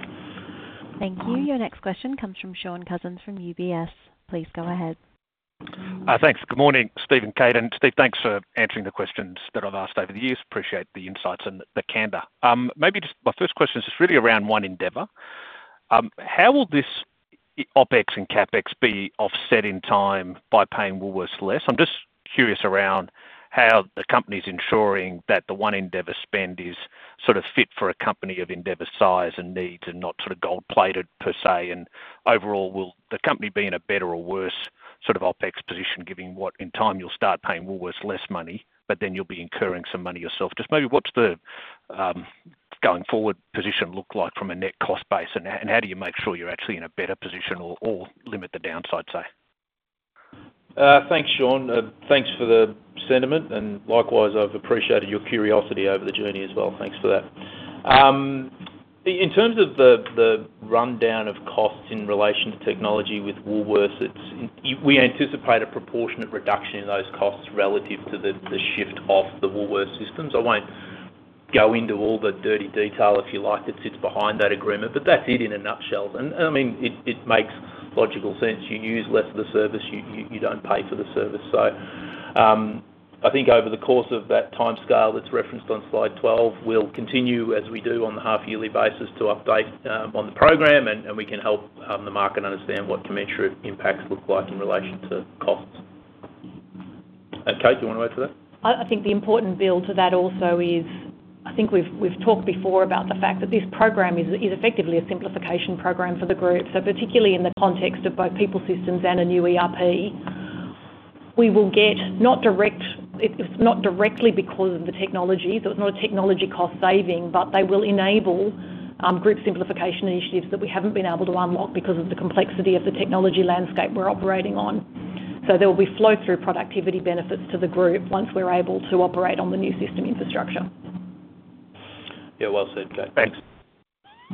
Thank you. Your next question comes from Shaun Cousins from UBS. Please go ahead. Thanks. Good morning, Steve and Kate. And Steve, thanks for answering the questions that I've asked over the years. Appreciate the insights and the candor. Maybe just my first question is just really around One Endeavour. How will this OpEx and CapEx be offset in time by paying Woolworths less? I'm just curious around how the company's ensuring that the One Endeavour spend is sort of fit for a company of Endeavour size and needs and not sort of gold-plated, per se. And overall, will the company be in a better or worse sort of OpEx position, given what, in time, you'll start paying Woolworths less money, but then you'll be incurring some money yourself? Just maybe what's the going-forward position look like from a net cost base, and how do you make sure you're actually in a better position or limit the downside, say? Thanks, Sean. Thanks for the sentiment. And likewise, I've appreciated your curiosity over the journey as well. Thanks for that. In terms of the rundown of costs in relation to technology with Woolworths, we anticipate a proportionate reduction in those costs relative to the shift off the Woolworths systems. I won't go into all the dirty detail if you like, that sits behind that agreement, but that's it in a nutshell. And I mean, it makes logical sense. You use less of the service. You don't pay for the service. So I think over the course of that time scale that's referenced on slide 12, we'll continue as we do on the half-yearly basis to update on the program, and we can help the market understand what commensurate impacts look like in relation to costs. And Kate, do you want to add to that? I think the important build to that also is. I think we've talked before about the fact that this program is effectively a simplification program for the group. So particularly in the context of both people systems and a new ERP, we will get not directly because of the technology. So it's not a technology cost saving, but they will enable group simplification initiatives that we haven't been able to unlock because of the complexity of the technology landscape we're operating on. So there will be flow-through productivity benefits to the group once we're able to operate on the new system infrastructure. Yeah, well said, Kate. Thanks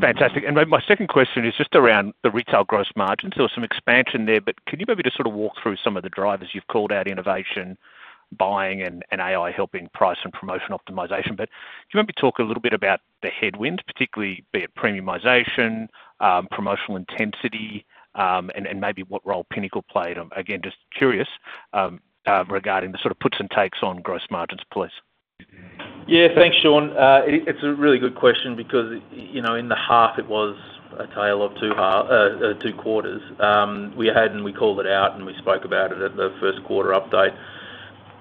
Fantastic. And my second question is just around the retail gross margins. There was some expansion there, but can you maybe just sort of walk through some of the drivers you've called out: innovation, buying, and AI helping price and promotion optimization? Can you maybe talk a little bit about the headwinds, particularly be it premiumization, promotional intensity, and maybe what role Pinnacle played? Again, just curious regarding the sort of puts and takes on gross margins, please. Yeah, thanks, Shaun. It's a really good question because in the half, it was a tale of two quarters. We had, and we called it out, and we spoke about it at the first quarter update,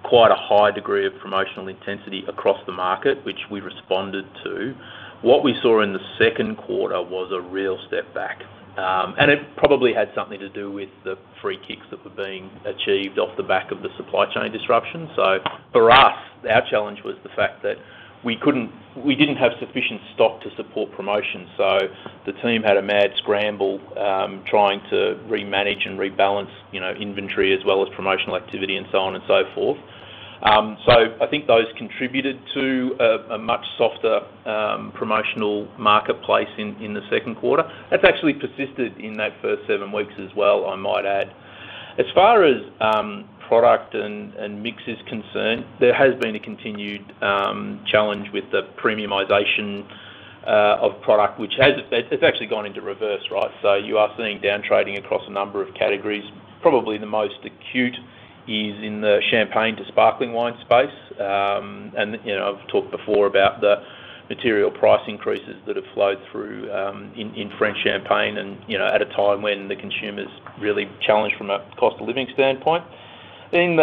quite a high degree of promotional intensity across the market, which we responded to. What we saw in the second quarter was a real step back. It probably had something to do with the free kicks that were being achieved off the back of the supply chain disruption. So for us, our challenge was the fact that we didn't have sufficient stock to support promotion. So the team had a mad scramble trying to remanage and rebalance inventory as well as promotional activity and so on and so forth. So I think those contributed to a much softer promotional marketplace in the second quarter. That's actually persisted in that first seven weeks as well, I might add. As far as product mix is concerned, there has been a continued challenge with the premiumization of product, which has actually gone into reverse, right? So you are seeing downtrading across a number of categories. Probably the most acute is in the champagne to sparkling wine space. And I've talked before about the material price increases that have flowed through in French champagne at a time when the consumer's really challenged from a cost of living standpoint. In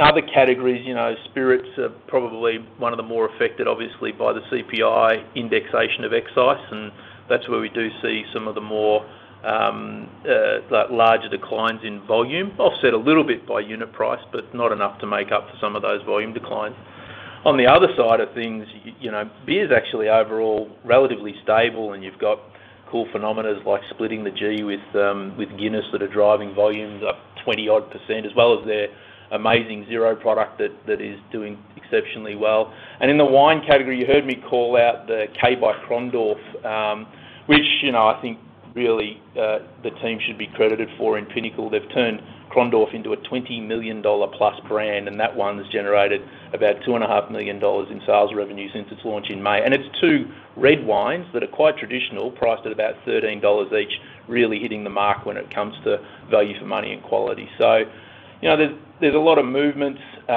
other categories, spirits are probably one of the more affected, obviously, by the CPI indexation of excise. And that's where we do see some of the more larger declines in volume, offset a little bit by unit price, but not enough to make up for some of those volume declines. On the other side of things, beer's actually overall relatively stable, and you've got cool phenomena like splitting the G with Guinness that are driving volumes up 20-odd%, as well as their amazing zero product that is doing exceptionally well. And in the wine category, you heard me call out the K by Krondorf, which I think really the team should be credited for in Pinnacle. They've turned Krondorf into a 20 million dollar-plus brand, and that one's generated about 2.5 million dollars in sales revenue since its launch in May. And it's two red wines that are quite traditional, priced at about 13 dollars each, really hitting the mark when it comes to value for money and quality. So there's a lot of movements. There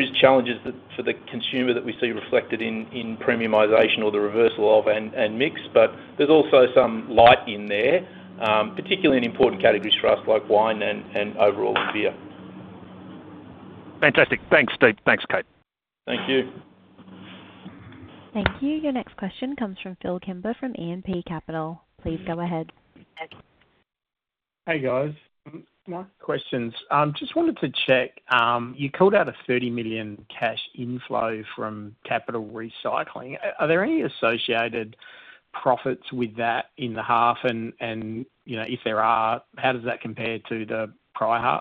are challenges for the consumer that we see reflected in premiumization or the reversal of and mix, but there's also some light in there, particularly in important categories for us like wine and overall in beer. Fantastic. Thanks, Steve. Thanks, Kate. Thank you. Thank you. Your next question comes from Phil Kimber from E&P Capital. Please go ahead. Hey, guys. My questions. Just wanted to check. You called out a 30 million cash inflow from capital recycling. Are there any associated profits with that in the half? And if there are, how does that compare to the prior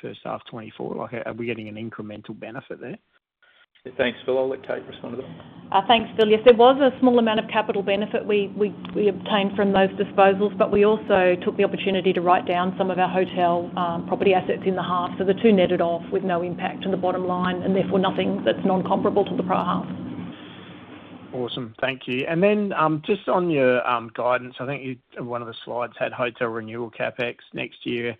first half 2024? Are we getting an incremental benefit there? Thanks, Phil. I'll let Kate respond to that. Thanks, Phil. Yes, there was a small amount of capital benefit we obtained from those disposals, but we also took the opportunity to write down some of our hotel property assets in the half. So the two netted off with no impact on the bottom line and therefore nothing that's non-comparable to the prior half. Awesome. Thank you. And then just on your guidance, I think one of the slides had hotel renewal CapEx next year,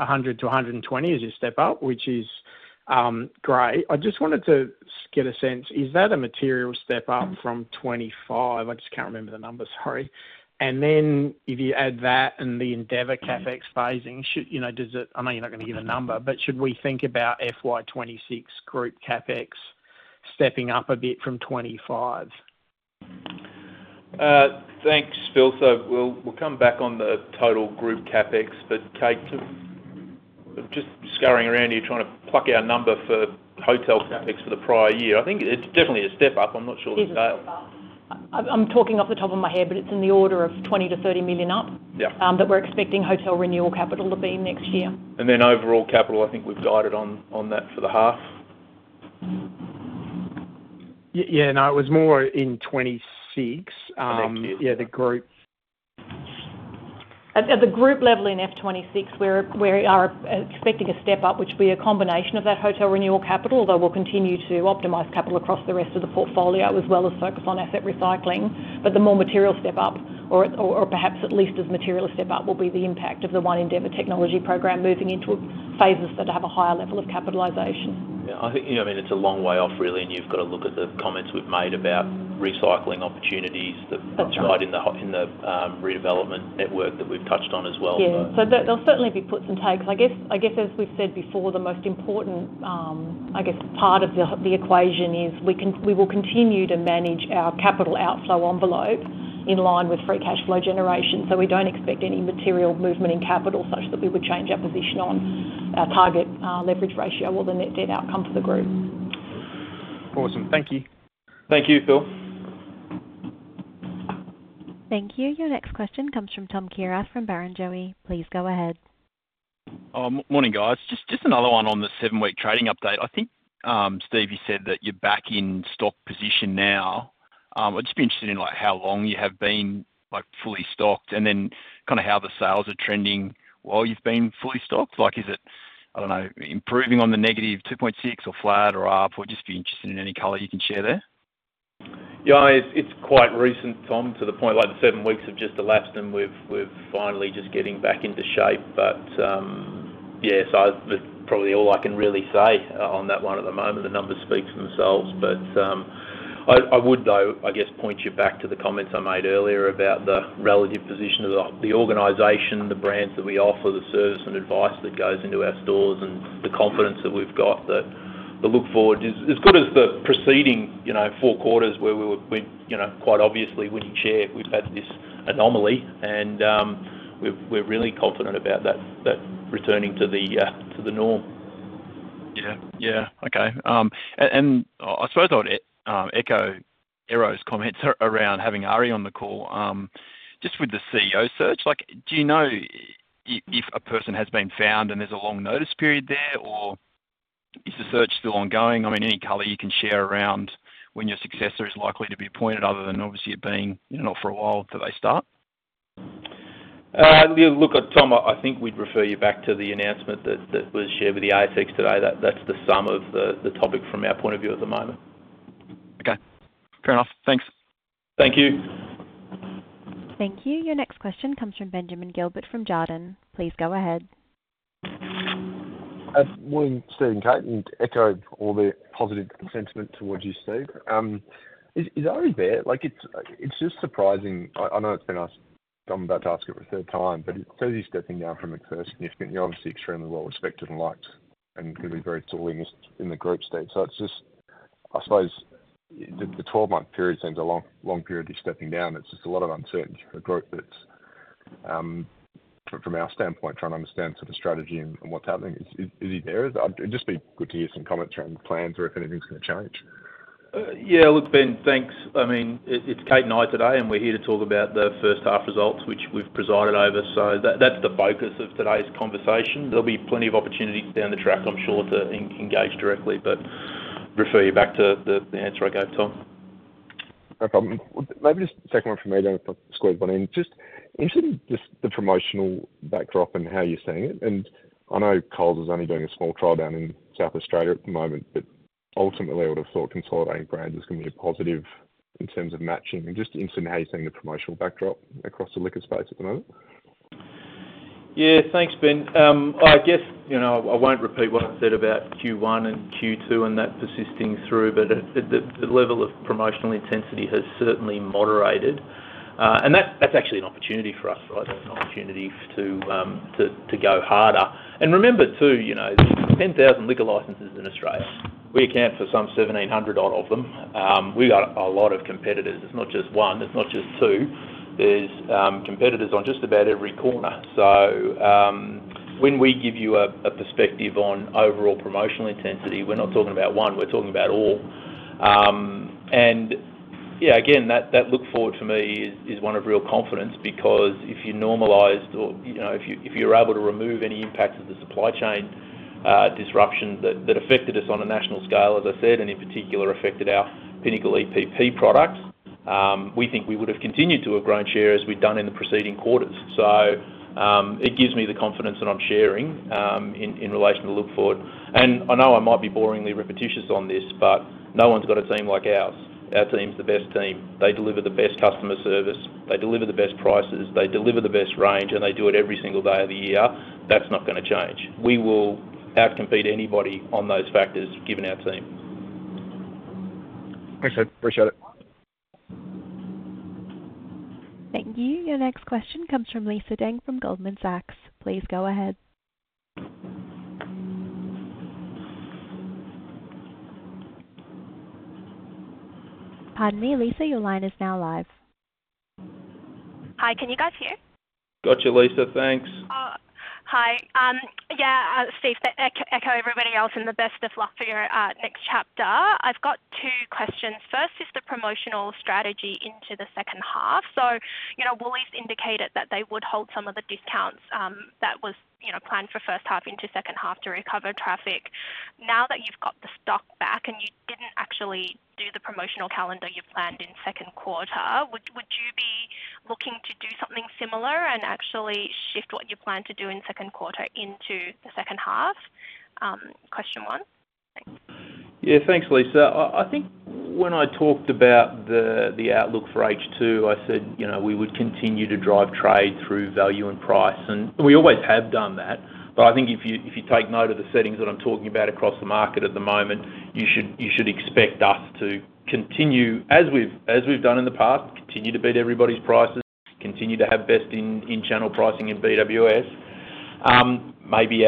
100-120 as you step up, which is great. I just wanted to get a sense, is that a material step up from 2025? I just can't remember the number, sorry. And then if you add that and the Endeavour CapEx phasing, does it, I know you're not going to give a number, but should we think about FY 2026 group CapEx stepping up a bit from 2025? Thanks, Phil. So we'll come back on the total group CapEx, but Kate, just scurrying around here, trying to pluck our number for hotel CapEx for the prior year. I think it's definitely a step up. I'm not sure the scale. It is a step up. I'm talking off the top of my head, but it's in the order of 20 million-30 million up that we're expecting hotel renewal capital to be next year. And then overall capital, I think we've guided on that for the half. Yeah, no, it was more in 2026. Thank you. Yeah, the group. At the group level in FY 2026, we are expecting a step up, which will be a combination of that hotel renewal capital, although we'll continue to optimize capital across the rest of the portfolio as well as focus on asset recycling. But the more material step up, or perhaps at least as material a step up, will be the impact of the One Endeavour technology program moving into phases that have a higher level of capitalization. Yeah, I think, I mean, it's a long way off, really, and you've got to look at the comments we've made about recycling opportunities that are right in the redevelopment network that we've touched on as well. Yeah. So there'll certainly be puts and takes. I guess, as we've said before, the most important, I guess, part of the equation is we will continue to manage our capital outflow envelope in line with free cash flow generation. So we don't expect any material movement in capital such that we would change our position on our target leverage ratio or the net debt outcome for the group. Awesome. Thank you. Thank you, Phil. Thank you. Your next question comes from Tom Kierath from Barrenjoey. Please go ahead. Morning, guys. Just another one on the seven-week trading update. I think, Steve, you said that you're back in stock position now. I'd just be interested in how long you have been fully stocked and then kind of how the sales are trending while you've been fully stocked. Is it, I don't know, improving on the -2.6 or flat or up? I'd just be interested in any color you can share there. Yeah, it's quite recent, Tom, to the point like the seven weeks have just elapsed, and we're finally just getting back into shape. But yeah, so that's probably all I can really say on that one at the moment. The numbers speak for themselves. But I would, though, I guess, point you back to the comments I made earlier about the relative position of the organization, the brands that we offer, the service and advice that goes into our stores, and the confidence that we've got that we look forward to. As good as the preceding four quarters where we were quite obviously winning share, we've had this anomaly, and we're really confident about that returning to the norm. Yeah. Okay. I suppose I would echo Errington's comments around having Ari on the call. Just with the CEO search, do you know if a person has been found and there's a long notice period there, or is the search still ongoing? I mean, any color you can share around when your successor is likely to be appointed other than, obviously, it being not for a while until they start? Look, Tom, I think we'd refer you back to the announcement that was shared with the ASX today. That's the sum of the topic from our point of view at the moment. Okay. Fair enough. Thanks. Thank you. Thank you. Your next question comes from Ben Gilbert from Jarden. Please go ahead. Morning, Steve and Kate, and echo all the positive sentiment towards you, Steve. Is Ari there? It's just surprising. I knowit's been asked. I'm about to ask it for the third time, but it says he's stepping down from his first significant. You're obviously extremely well-respected and liked and can be very thoughtful in the group, Steve. So it's just, I suppose, the 12-month period seems a long period of stepping down. It's just a lot of uncertainty for the group that's, from our standpoint, trying to understand sort of strategy and what's happening. Is he there? It'd just be good to hear some comments around plans or if anything's going to change. Yeah. Look, Ben, thanks. I mean, it's Kate and I today, and we're here to talk about the first half results, which we've presided over. So that's the focus of today's conversation. There'll be plenty of opportunities down the track, I'm sure, to engage directly, but refer you back to the answer I gave, Tom. No problem. Maybe just a second one for me. I don't know if I've squared one in. Just interested in just the promotional backdrop and how you're seeing it. And I know Coles is only doing a small trial down in South Australia at the moment, but ultimately, I would have thought consolidating brands is going to be a positive in terms of matching. And just interested in how you're seeing the promotional backdrop across the liquor space at the moment. Yeah. Thanks, Ben. I guess I won't repeat what I've said about Q1 and Q2 and that persisting through, but the level of promotional intensity has certainly moderated. And that's actually an opportunity for us, right? That's an opportunity to go harder. And remember, too, there's 10,000 liquor licenses in Australia. We account for some 1,700 odd of them. We've got a lot of competitors. It's not just one. It's not just two. There's competitors on just about every corner. So when we give you a perspective on overall promotional intensity, we're not talking about one. We're talking about all. Yeah, again, that look forward for me is one of real confidence because if you normalized or if you're able to remove any impact of the supply chain disruption that affected us on a national scale, as I said, and in particular affected our Pinnacle EPP products, we think we would have continued to have grown share as we'd done in the preceding quarters. So it gives me the confidence that I'm sharing in relation to the look forward. I know I might be boringly repetitious on this, but no one's got a team like ours. Our team's the best team. They deliver the best customer service. They deliver the best prices. They deliver the best range, and they do it every single day of the year. That's not going to change. We will outcompete anybody on those factors given our team. Appreciate it. Thank you. Your next question comes from Lisa Deng from Goldman Sachs. Please go ahead. Pardon me, Lisa, your line is now live. Hi. Can you guys hear? Got you, Lisa. Thanks. Hi. Yeah, Steve, echoing everybody else and the best of luck for your next chapter. I've got two questions. First is the promotional strategy into the second half. So Woolies indicated that they would hold some of the discounts that were planned for first half into second half to recover traffic. Now that you've got the stock back and you didn't actually do the promotional calendar you planned in second quarter, would you be looking to do something similar and actually shift what you plan to do in second quarter into the second half? Question one. Yeah. Thanks, Lisa. I think when I talked about the outlook for H2, I said we would continue to drive trade through value and price. And we always have done that. But I think if you take note of the settings that I'm talking about across the market at the moment, you should expect us to continue, as we've done in the past, continue to beat everybody's prices, continue to have best in-channel pricing in BWS. Maybe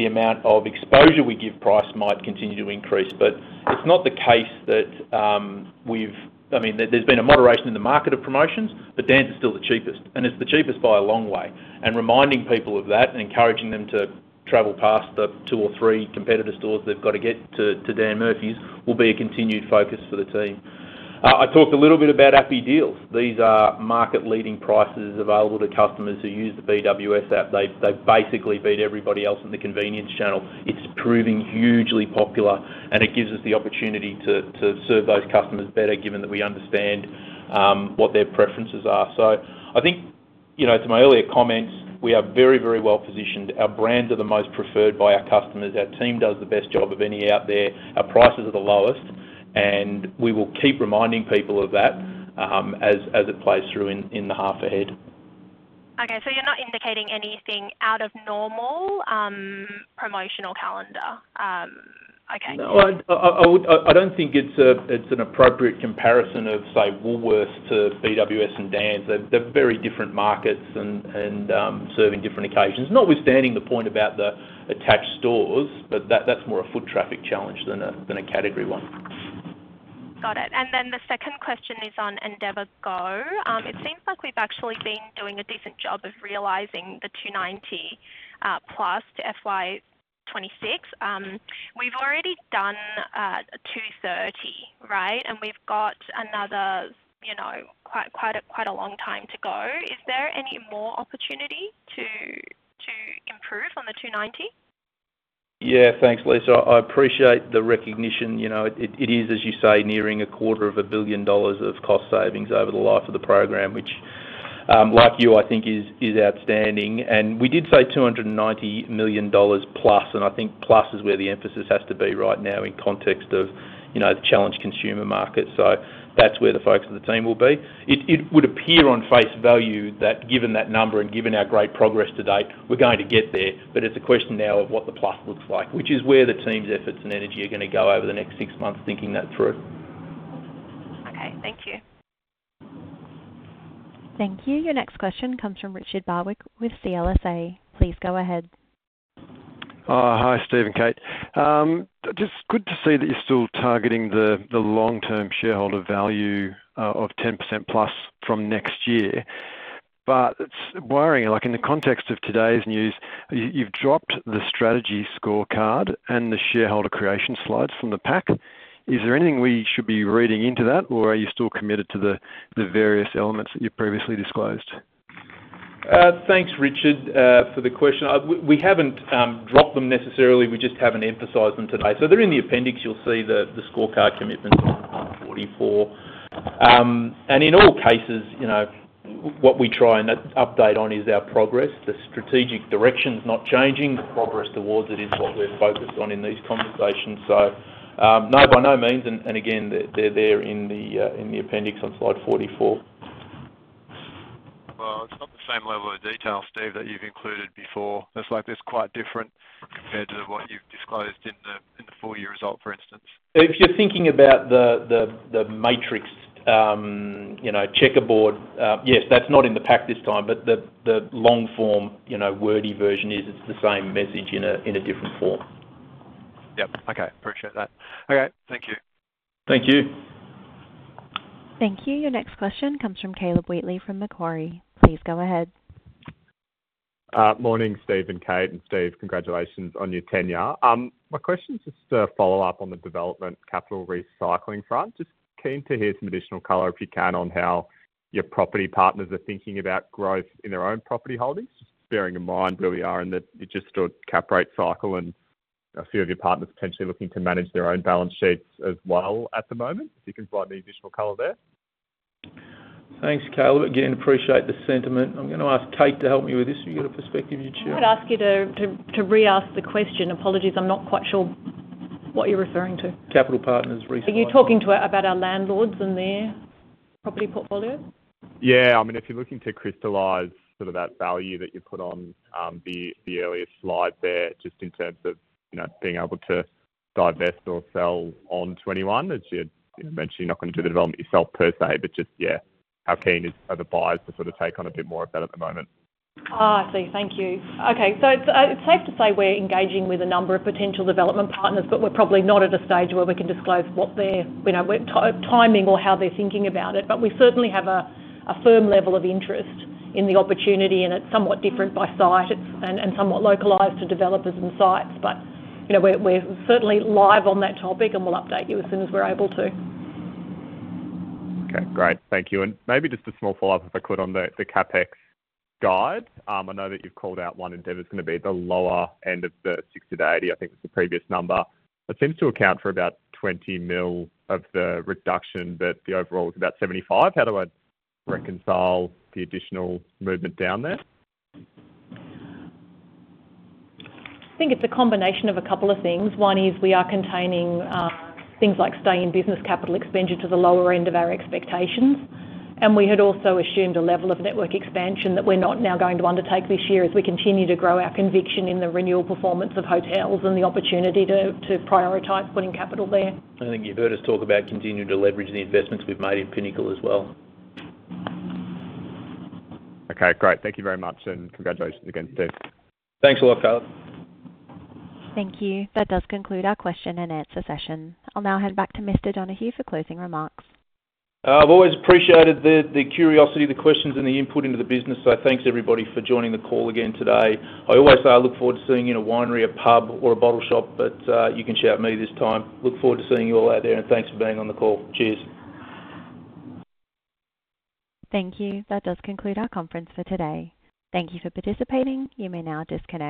the amount of exposure we give price might continue to increase, but it's not the case that we've - I mean, there's been a moderation in the market of promotions, but Dan's still the cheapest. And it's the cheapest by a long way. And reminding people of that and encouraging them to travel past the two or three competitor stores they've got to get to Dan Murphy's will be a continued focus for the team. I talked a little bit about Appy Deals. These are market-leading prices available to customers who use the BWS app. They basically beat everybody else in the convenience channel. It's proving hugely popular, and it gives us the opportunity to serve those customers better given that we understand what their preferences are, so I think to my earlier comments, we are very, very well positioned. Our brands are the most preferred by our customers. Our team does the best job of any out there. Our prices are the lowest, and we will keep reminding people of that as it plays through in the half ahead. Okay, so you're not indicating anything out of normal promotional calendar. Okay. No. I don't think it's an appropriate comparison of, say, Woolworths to BWS and Dan's. They're very different markets and serve in different occasions. Notwithstanding the point about the attached stores, but that's more a foot traffic challenge than a category one. Got it. And then the second question is on EndeavourGO. It seems like we've actually been doing a decent job of realising the 290 million plus to FY 2026. We've already done 230 million, right? And we've got another quite a long time to go. Is there any more opportunity to improve on the 290 million? Yeah. Thanks, Lisa. I appreciate the recognition. It is, as you say, nearing 250 million dollars of cost savings over the life of the program, which, like you, I think, is outstanding. And we did say 290 million dollars plus, and I think plus is where the emphasis has to be right now in context of the challenged consumer market. So that's where the focus of the team will be. It would appear on face value that, given that number and given our great progress to date, we're going to get there. But it's a question now of what the plus looks like, which is where the team's efforts and energy are going to go over the next six months thinking that through. Okay. Thank you. Thank you. Your next question comes from Richard Barwick with CLSA. Please go ahead. Hi, Steve and Kate. Just good to see that you're still targeting the long-term shareholder value of 10%+ from next year. But it's worrying. In the context of today's news, you've dropped the strategy scorecard and the shareholder creation slides from the pack. Is there anything we should be reading into that, or are you still committed to the various elements that you've previously disclosed? Thanks, Richard, for the question. We haven't dropped them necessarily. We just haven't emphasized them today. So they're in the appendix. You'll see the scorecard commitment on 44. And in all cases, what we try and update on is our progress. The strategic direction's not changing. The progress towards it is what we're focused on in these conversations. So no, by no means. And again, they're there in the appendix on slide 44. Well, it's not the same level of detail, Steve, that you've included before. It's quite different compared to what you've disclosed in the full-year result, for instance. If you're thinking about the matrix, checkerboard, yes, that's not in the pack this time, but the long-form wordy version is the same message in a different form. Yeah. Okay. Appreciate that. Okay. Thank you. Thank you. Thank you. Your next question comes from Caleb Wheatley from Macquarie. Please go ahead. Morning, Steve and Kate. And Steve, congratulations on your tenure. My question's just a follow-up on the development capital recycling front. Just keen to hear some additional color, if you can, on how your property partners are thinking about growth in their own property holdings, just bearing in mind where we are in the just sort of cap rate cycle and a few of your partners potentially looking to manage their own balance sheets as well at the moment. If you can provide any additional color there. Thanks, Caleb. Again, appreciate the sentiment. I'm going to ask Kate to help me with this. Have you got a perspective you'd share? I'd ask you to re-ask the question. Apologies. I'm not quite sure what you're referring to. Capital partners recycling. Are you talking about our landlords and their property portfolio? Yeah. I mean, if you're looking to crystallize sort of that value that you put on the earlier slide there, just in terms of being able to divest or sell on 21, as you had mentioned, you're not going to do the development yourself per se, but just, yeah, how keen are the buyers to sort of take on a bit more of that at the moment? I see. Thank you. Okay. So it's safe to say we're engaging with a number of potential development partners, but we're probably not at a stage where we can disclose what their timing or how they're thinking about it. But we certainly have a firm level of interest in the opportunity, and it's somewhat different by site and somewhat localized to developers and sites. But we're certainly live on that topic, and we'll update you as soon as we're able to. Okay. Great. Thank you. And maybe just a small follow-up, if I could, on the CapEx guide. I know that you've called out One Endeavour is going to be the lower end of the 60-80. I think it was the previous number. It seems to account for about 20 million of the reduction, but the overall is about 75. How do I reconcile the additional movement down there? I think it's a combination of a couple of things. One is we are containing things like stay in business capital expenditure to the lower end of our expectations. And we had also assumed a level of network expansion that we're not now going to undertake this year as we continue to grow our conviction in the renewal performance of hotels and the opportunity to prioritize putting capital there. I think you've heard us talk about continuing to leverage the investments we've made in Pinnacle as well. Okay. Great. Thank you very much. And congratulations again, Steve. Thanks a lot, Caleb. Thank you. That does conclude our question and answer session. I'll now hand back to Mr. Donohue for closing remarks. I've always appreciated the curiosity, the questions, and the input into the business. So thanks, everybody, for joining the call again today. I always say I look forward to seeing you in a winery, a pub, or a bottle shop, but you can shout me this time. Look forward to seeing you all out there, and thanks for being on the call. Cheers. Thank you. That does conclude our conference for today. Thank you for participating. You may now disconnect.